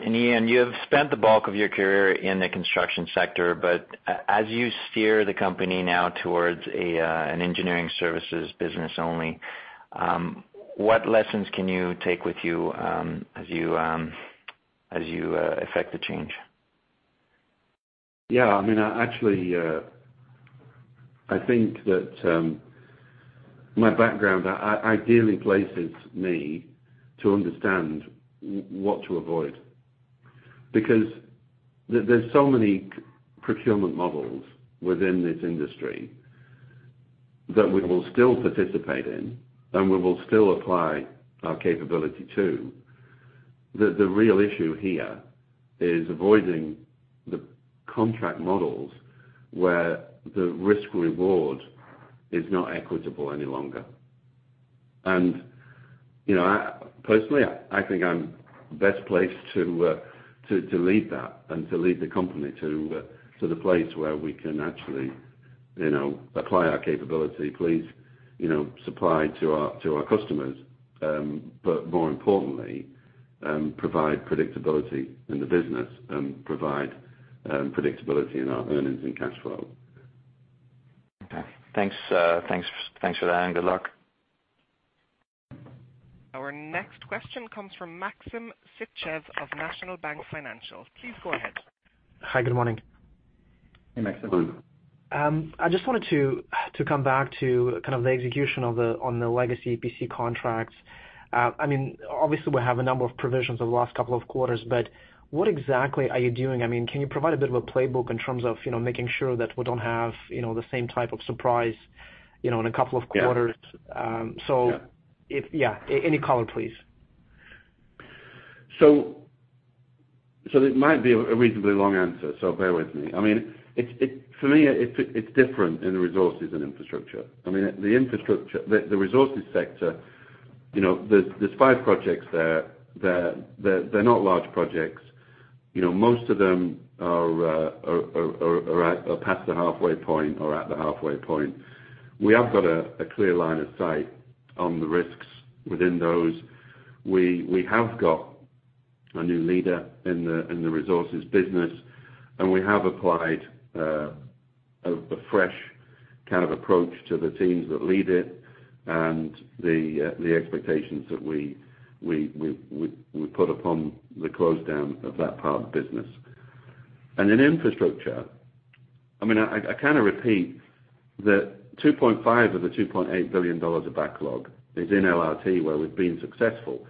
Ian, you have spent the bulk of your career in the construction sector, but as you steer the company now towards an engineering services business only, what lessons can you take with you as you affect the change? Yeah, actually, I think that my background ideally places me to understand what to avoid. There's so many procurement models within this industry that we will still participate in and we will still apply our capability to. The real issue here is avoiding the contract models where the risk/reward is not equitable any longer. Personally, I think I'm best placed to lead that and to lead the company to the place where we can actually apply our capability, supply to our customers. More importantly, provide predictability in the business and provide predictability in our earnings and cash flow. Okay. Thanks for that, and good luck. Our next question comes from Maxim Sytchev of National Bank Financial. Please go ahead. Hi. Good morning. Hey, Maxim. I just wanted to come back to kind of the execution on the legacy EPC contracts. Obviously we have a number of provisions over the last couple of quarters. What exactly are you doing? Can you provide a bit of a playbook in terms of making sure that we don't have the same type of surprise in a couple of quarters? Yeah. Any color, please. It might be a reasonably long answer, bear with me. For me, it's different in the resources and infrastructure. The resources sector, there's five projects there. They're not large projects. Most of them are past the halfway point or at the halfway point. We have got a clear line of sight on the risks within those. We have got a new leader in the resources business, we have applied a fresh kind of approach to the teams that lead it and the expectations that we put upon the close down of that part of the business. In infrastructure, I kind of repeat that 2.5 billion of the 2.8 billion dollars of backlog is in LRT, where we've been successful.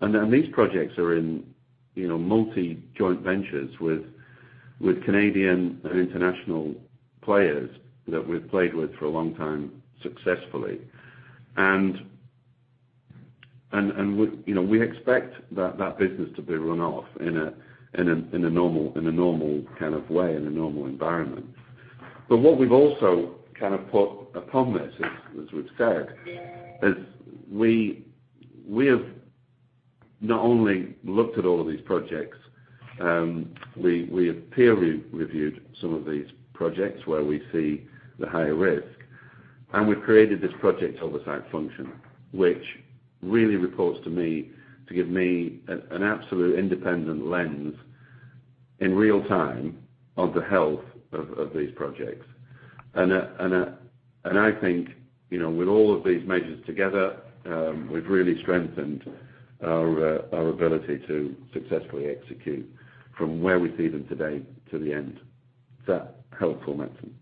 These projects are in multi-joint ventures with Canadian and international players that we've played with for a long time successfully. We expect that business to be run off in a normal kind of way, in a normal environment. What we've also kind of put upon this, as we've said, is we have not only looked at all of these projects, we have peer reviewed some of these projects where we see the higher risk. We've created this project oversight function, which really reports to me to give me an absolute independent lens in real time on the health of these projects. I think, with all of these measures together, we've really strengthened our ability to successfully execute from where we see them today to the end. Is that helpful, Maxim?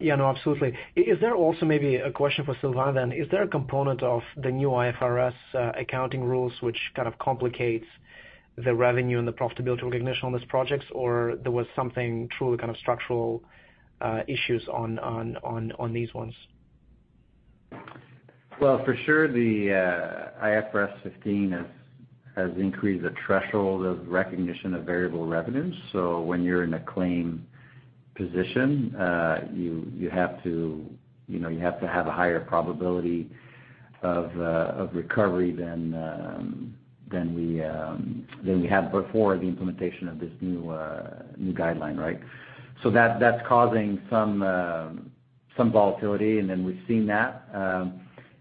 Yeah, no, absolutely. Is there also maybe a question for Sylvain then, is there a component of the new IFRS accounting rules which kind of complicates the revenue and the profitability recognition on these projects? There was something truly kind of structural issues on these ones? Well, for sure the IFRS 15 has increased the threshold of recognition of variable revenues. When you're in a claim position, you have to have a higher probability of recovery than we had before the implementation of this new guideline, right? That's causing some volatility, and then we've seen that.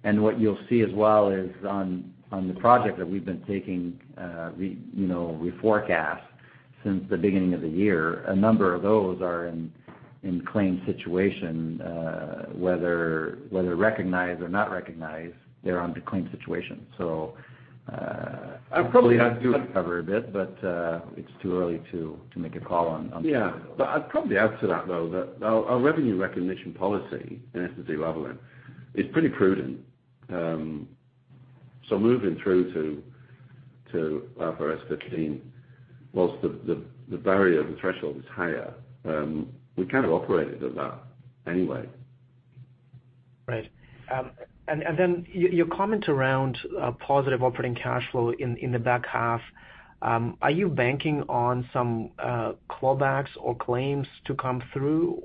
What you'll see as well is on the project that we've been taking, reforecast, since the beginning of the year, a number of those are in claim situation, whether recognized or not recognized, they're on the claim situation. I'd probably add to- recover a bit, but it's too early to make a call on that. Yeah. I'd probably add to that, though, that our revenue recognition policy, at entity level, is pretty prudent. Moving through to IFRS 15, whilst the barrier, the threshold is higher, we kind of operated at that anyway. Right. Your comment around positive operating cash flow in the back half, are you banking on some clawbacks or claims to come through?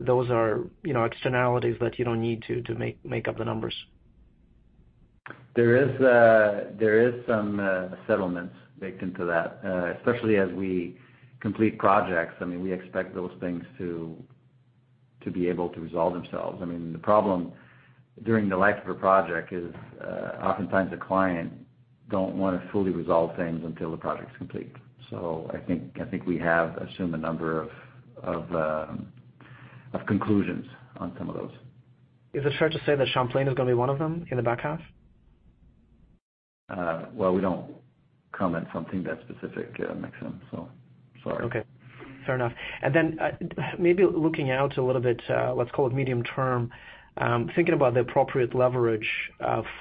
Those are externalities that you don't need to make up the numbers? There is some settlements baked into that, especially as we complete projects. We expect those things to be able to resolve themselves. The problem during the life of a project is oftentimes the client don't want to fully resolve things until the project's complete. I think we have assumed a number of conclusions on some of those. Is it fair to say that Champlain is going to be one of them in the back half? We don't comment something that specific, Maxim. Sorry. Okay. Fair enough. Then maybe looking out a little bit, let's call it medium term, thinking about the appropriate leverage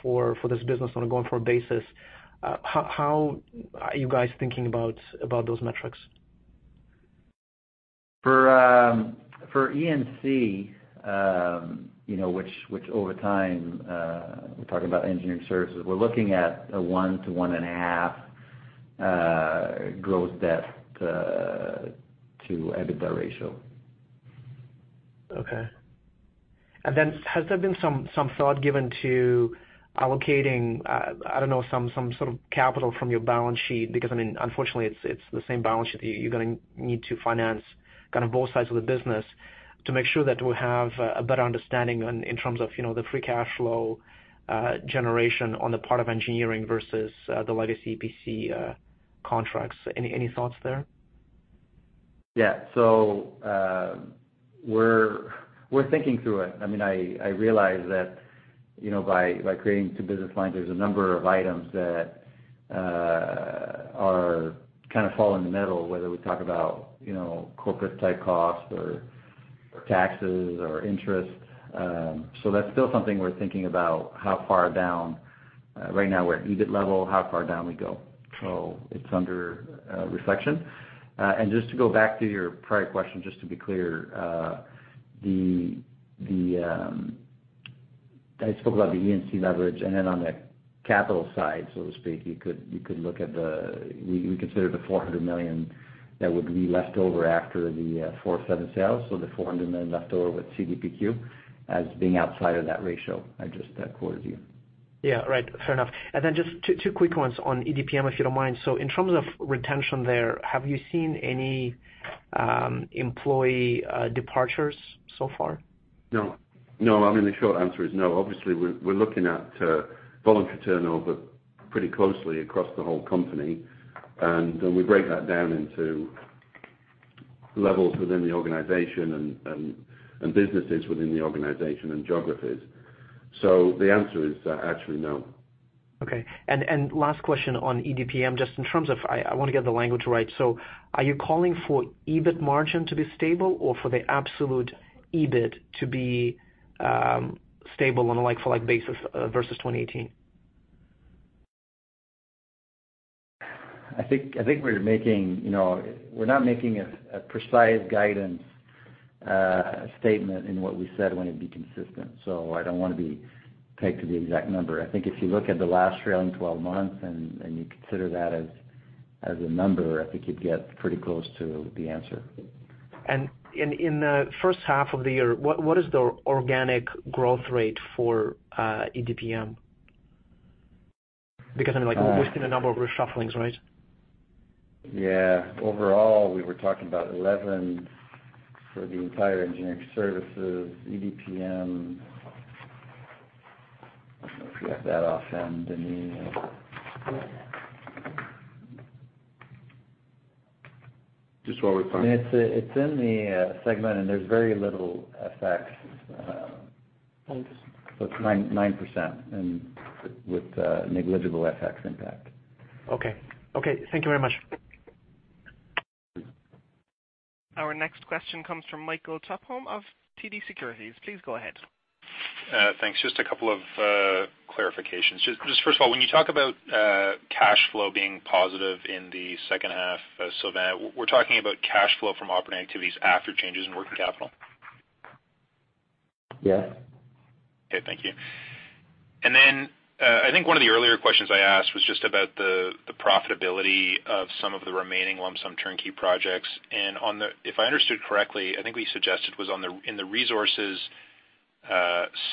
for this business on a going-forward basis, how are you guys thinking about those metrics? For E&C, which over time, we're talking about engineering services, we're looking at a one to one and a half growth debt to EBITDA ratio. Okay. Has there been some thought given to allocating, I don't know, some sort of capital from your balance sheet? Because unfortunately, it's the same balance sheet that you're going to need to finance both sides of the business to make sure that we have a better understanding in terms of the free cash flow generation on the part of engineering versus the legacy EPC contracts. Any thoughts there? Yeah. We're thinking through it. I realize that by creating two business lines, there's a number of items that kind of fall in the middle, whether we talk about corporate-type costs or taxes or interest. That's still something we're thinking about, how far down. Right now we're at EBIT level, how far down we go. It's under reflection. Just to go back to your prior question, just to be clear, I spoke about the E&C leverage, and then on the capital side, so to speak, you could look at the, we consider the 400 million that would be left over after the 407 sales. The 400 million left over with CDPQ as being outside of that ratio I just quoted you. Yeah. Right. Fair enough. Then just two quick ones on EDPM, if you don't mind? In terms of retention there, have you seen any employee departures so far? No. The short answer is no. Obviously, we're looking at voluntary turnover pretty closely across the whole company, and we break that down into levels within the organization and businesses within the organization and geographies. The answer is actually no. Okay. Last question on EDPM, just in terms of, I want to get the language right. Are you calling for EBIT margin to be stable or for the absolute EBIT to be stable on a like-for-like basis versus 2018? I think we're not making a precise guidance statement in what we said when it'd be consistent. I don't want to be tied to the exact number. I think if you look at the last trailing 12 months, and you consider that as a number, I think you'd get pretty close to the answer. In the first half of the year, what is the organic growth rate for EDPM? Because we've seen a number of reshufflings, right? Yeah. Overall, we were talking about 11 for the entire Engineering Services. EDPM, I don't know if you have that offhand, Denis. Just while we find. It's in the segment, and there's very little effect. Okay. It's nine percent, and with negligible FX impact. Okay. Thank you very much. Our next question comes from Michael Tupholme of TD Securities. Please go ahead. Thanks. Just a couple of clarifications. Just first of all, when you talk about cash flow being positive in the second half, Sylvain, we're talking about cash flow from operating activities after changes in working capital? Yes. Okay, thank you. I think one of the earlier questions I asked was just about the profitability of some of the remaining lump sum turnkey projects. If I understood correctly, I think we suggested was in the Resources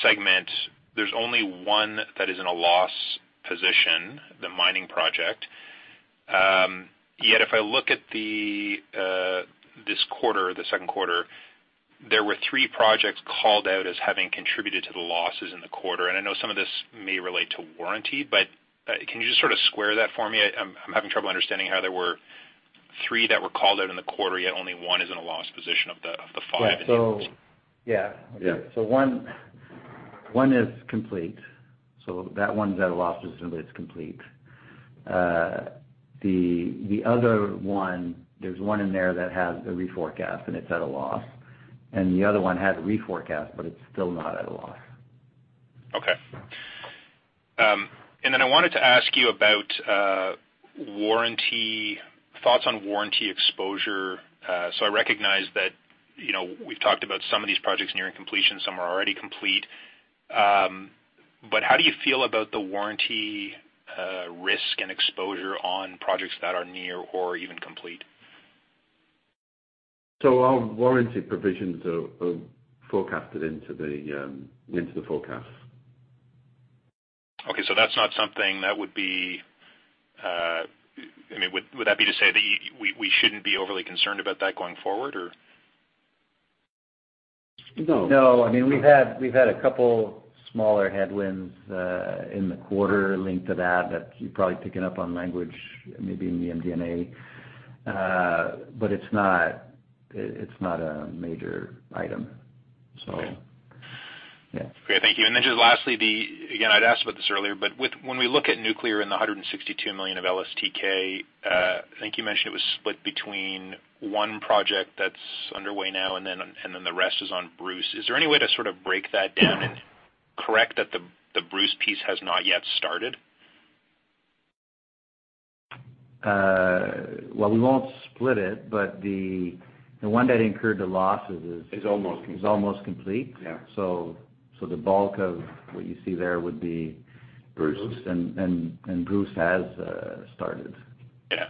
segment, there's only one that is in a loss position, the mining project. If I look at this quarter, the second quarter, there were three projects called out as having contributed to the losses in the quarter, I know some of this may relate to warranty, but can you just sort of square that for me? I'm having trouble understanding how there were three that were called out in the quarter, yet only one is in a loss position of the five. Yeah. One is complete. That one's at a loss, but it's complete. The other one, there's one in there that has a reforecast, and it's at a loss. The other one has a reforecast, but it's still not at a loss. Okay. I wanted to ask you about thoughts on warranty exposure. I recognize that, we've talked about some of these projects nearing completion, some are already complete. How do you feel about the warranty risk and exposure on projects that are near or even complete? Our warranty provisions are forecasted into the forecast. Okay, that's not something that would be I mean, would that be to say that we shouldn't be overly concerned about that going forward, or? No. I mean, we've had a couple smaller headwinds in the quarter linked to that you've probably picking up on language maybe in the MD&A. It's not a major item. Okay. Yeah. Great. Thank you. Just lastly, again, I'd asked about this earlier, but when we look at nuclear and the 162 million of LSTK, I think you mentioned it was split between one project that's underway now and then the rest is on Bruce. Is there any way to sort of break that down and correct that the Bruce piece has not yet started? Well, we won't split it, but the one that incurred the losses. Is almost complete. is almost complete. Yeah. The bulk of what you see there would be Bruce. Bruce has started. Yeah.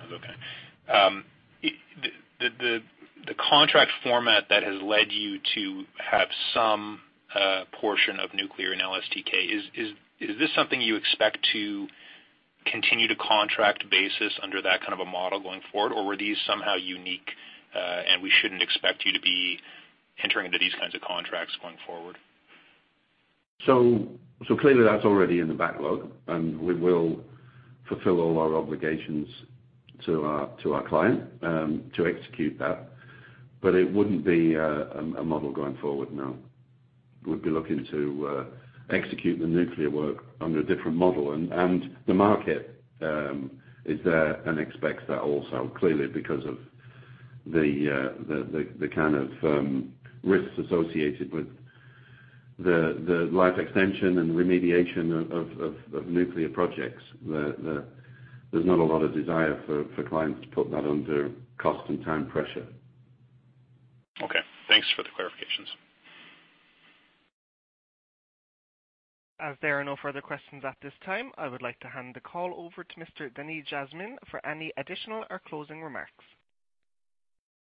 Okay. The contract format that has led you to have some portion of nuclear and LSTK, is this something you expect to continue to contract basis under that kind of a model going forward? Or were these somehow unique, and we shouldn't expect you to be entering into these kinds of contracts going forward? Clearly that's already in the backlog, we will fulfill all our obligations to our client to execute that. It wouldn't be a model going forward, no. We'd be looking to execute the nuclear work under a different model. The market is there and expects that also, clearly because of the kind of risks associated with the life extension and remediation of nuclear projects. There's not a lot of desire for clients to put that under cost and time pressure. Okay. Thanks for the clarifications. As there are no further questions at this time, I would like to hand the call over to Mr. Denis Jasmin for any additional or closing remarks.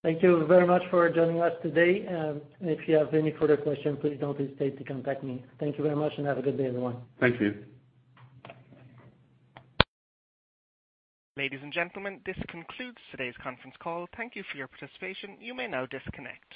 Thank you very much for joining us today, and if you have any further questions, please don't hesitate to contact me. Thank you very much and have a good day, everyone. Thank you. Ladies and gentlemen, this concludes today's conference call. Thank you for your participation. You may now disconnect.